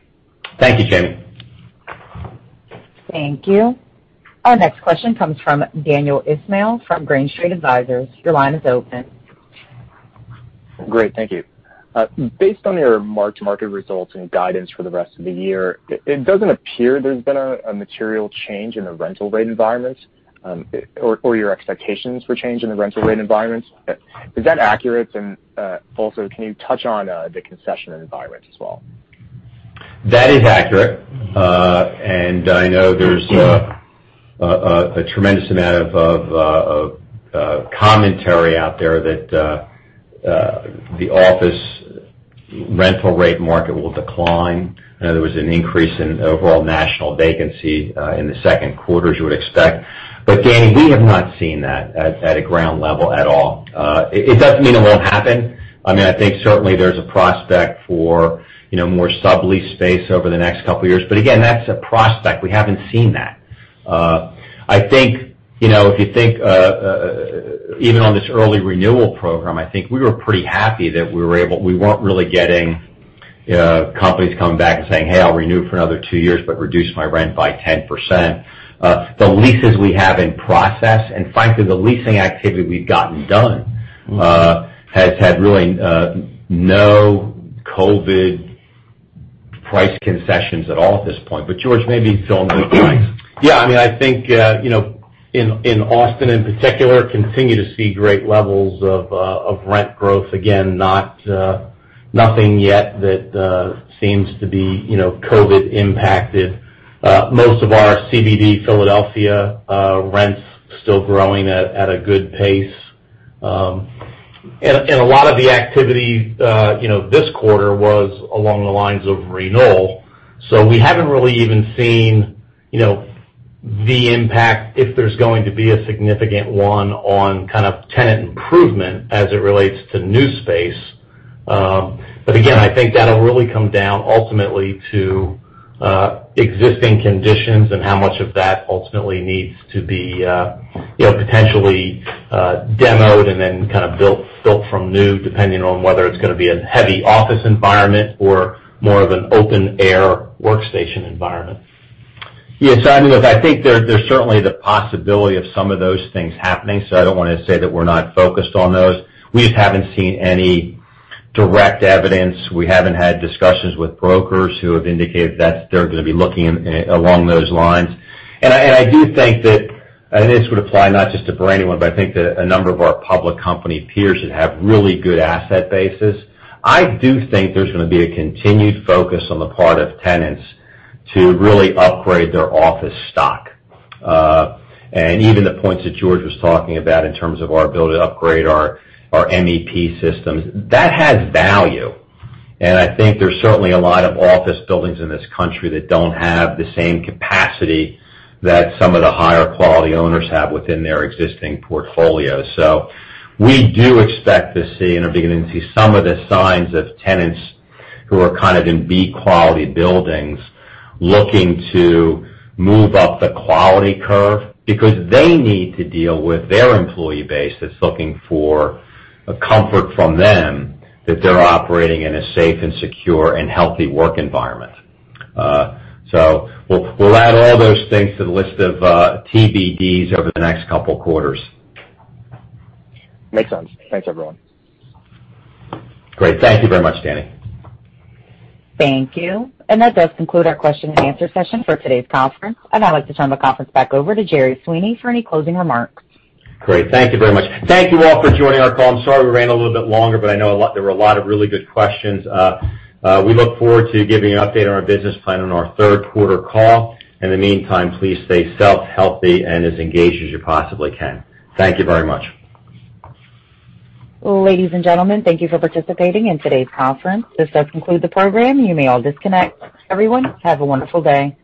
Thank you, Jamie. Thank you. Our next question comes from Daniel Ismail from Green Street Advisors. Your line is open. Great. Thank you. Based on your mark-to-market results and guidance for the rest of the year, it doesn't appear there's been a material change in the rental rate environment, or your expectations for change in the rental rate environment. Is that accurate? Also, can you touch on the concession environment as well? That is accurate. I know there's a tremendous amount of commentary out there that the office rental rate market will decline. I know there was an increase in overall national vacancy in the second quarter, as you would expect. Dan, we have not seen that at a ground level at all. It doesn't mean it won't happen. I think certainly there's a prospect for more sublease space over the next couple of years. Again, that's a prospect. We haven't seen that. I think, if you think even on this early renewal program, I think we were pretty happy that we weren't really getting companies coming back and saying, "Hey, I'll renew for another two years, but reduce my rent by 10%." The leases we have in process, and frankly, the leasing activity we've gotten done has had really no COVID price concessions at all at this point. George, maybe fill in the blanks. I think in Austin in particular, continue to see great levels of rent growth. Again, nothing yet that seems to be COVID impacted. Most of our CBD Philadelphia rent's still growing at a good pace. A lot of the activity this quarter was along the lines of renewal. We haven't really even seen the impact, if there's going to be a significant one on kind of tenant improvement as it relates to new space. Again, I think that'll really come down ultimately to existing conditions and how much of that ultimately needs to be potentially demoed and then kind of built from new, depending on whether it's going to be a heavy office environment or more of an open air workstation environment. Yes. I think there's certainly the possibility of some of those things happening, so I don't want to say that we're not focused on those. We just haven't seen any direct evidence. We haven't had discussions with brokers who have indicated that they're going to be looking along those lines. I do think that, and this would apply not just to Brandywine, but I think that a number of our public company peers that have really good asset bases. I do think there's going to be a continued focus on the part of tenants to really upgrade their office stock. Even the points that George was talking about in terms of our ability to upgrade our MEP systems. That has value, I think there's certainly a lot of office buildings in this country that don't have the same capacity that some of the higher quality owners have within their existing portfolio. We do expect to see and are beginning to see some of the signs of tenants who are kind of in B-quality buildings looking to move up the quality curve because they need to deal with their employee base that's looking for a comfort from them that they're operating in a safe and secure and healthy work environment. We'll add all those things to the list of TBDs over the next couple of quarters. Makes sense. Thanks, everyone. Great. Thank you very much, Dan. Thank you. That does conclude our question and answer session for today's conference. I'd now like to turn the conference back over to Jerry Sweeney for any closing remarks. Great. Thank you very much. Thank you all for joining our call. I'm sorry we ran a little bit longer, but I know there were a lot of really good questions. We look forward to giving you an update on our business plan on our third quarter call. In the meantime, please stay safe, healthy, and as engaged as you possibly can. Thank you very much. Ladies and gentlemen, thank you for participating in today's conference. This does conclude the program. You may all disconnect. Everyone, have a wonderful day.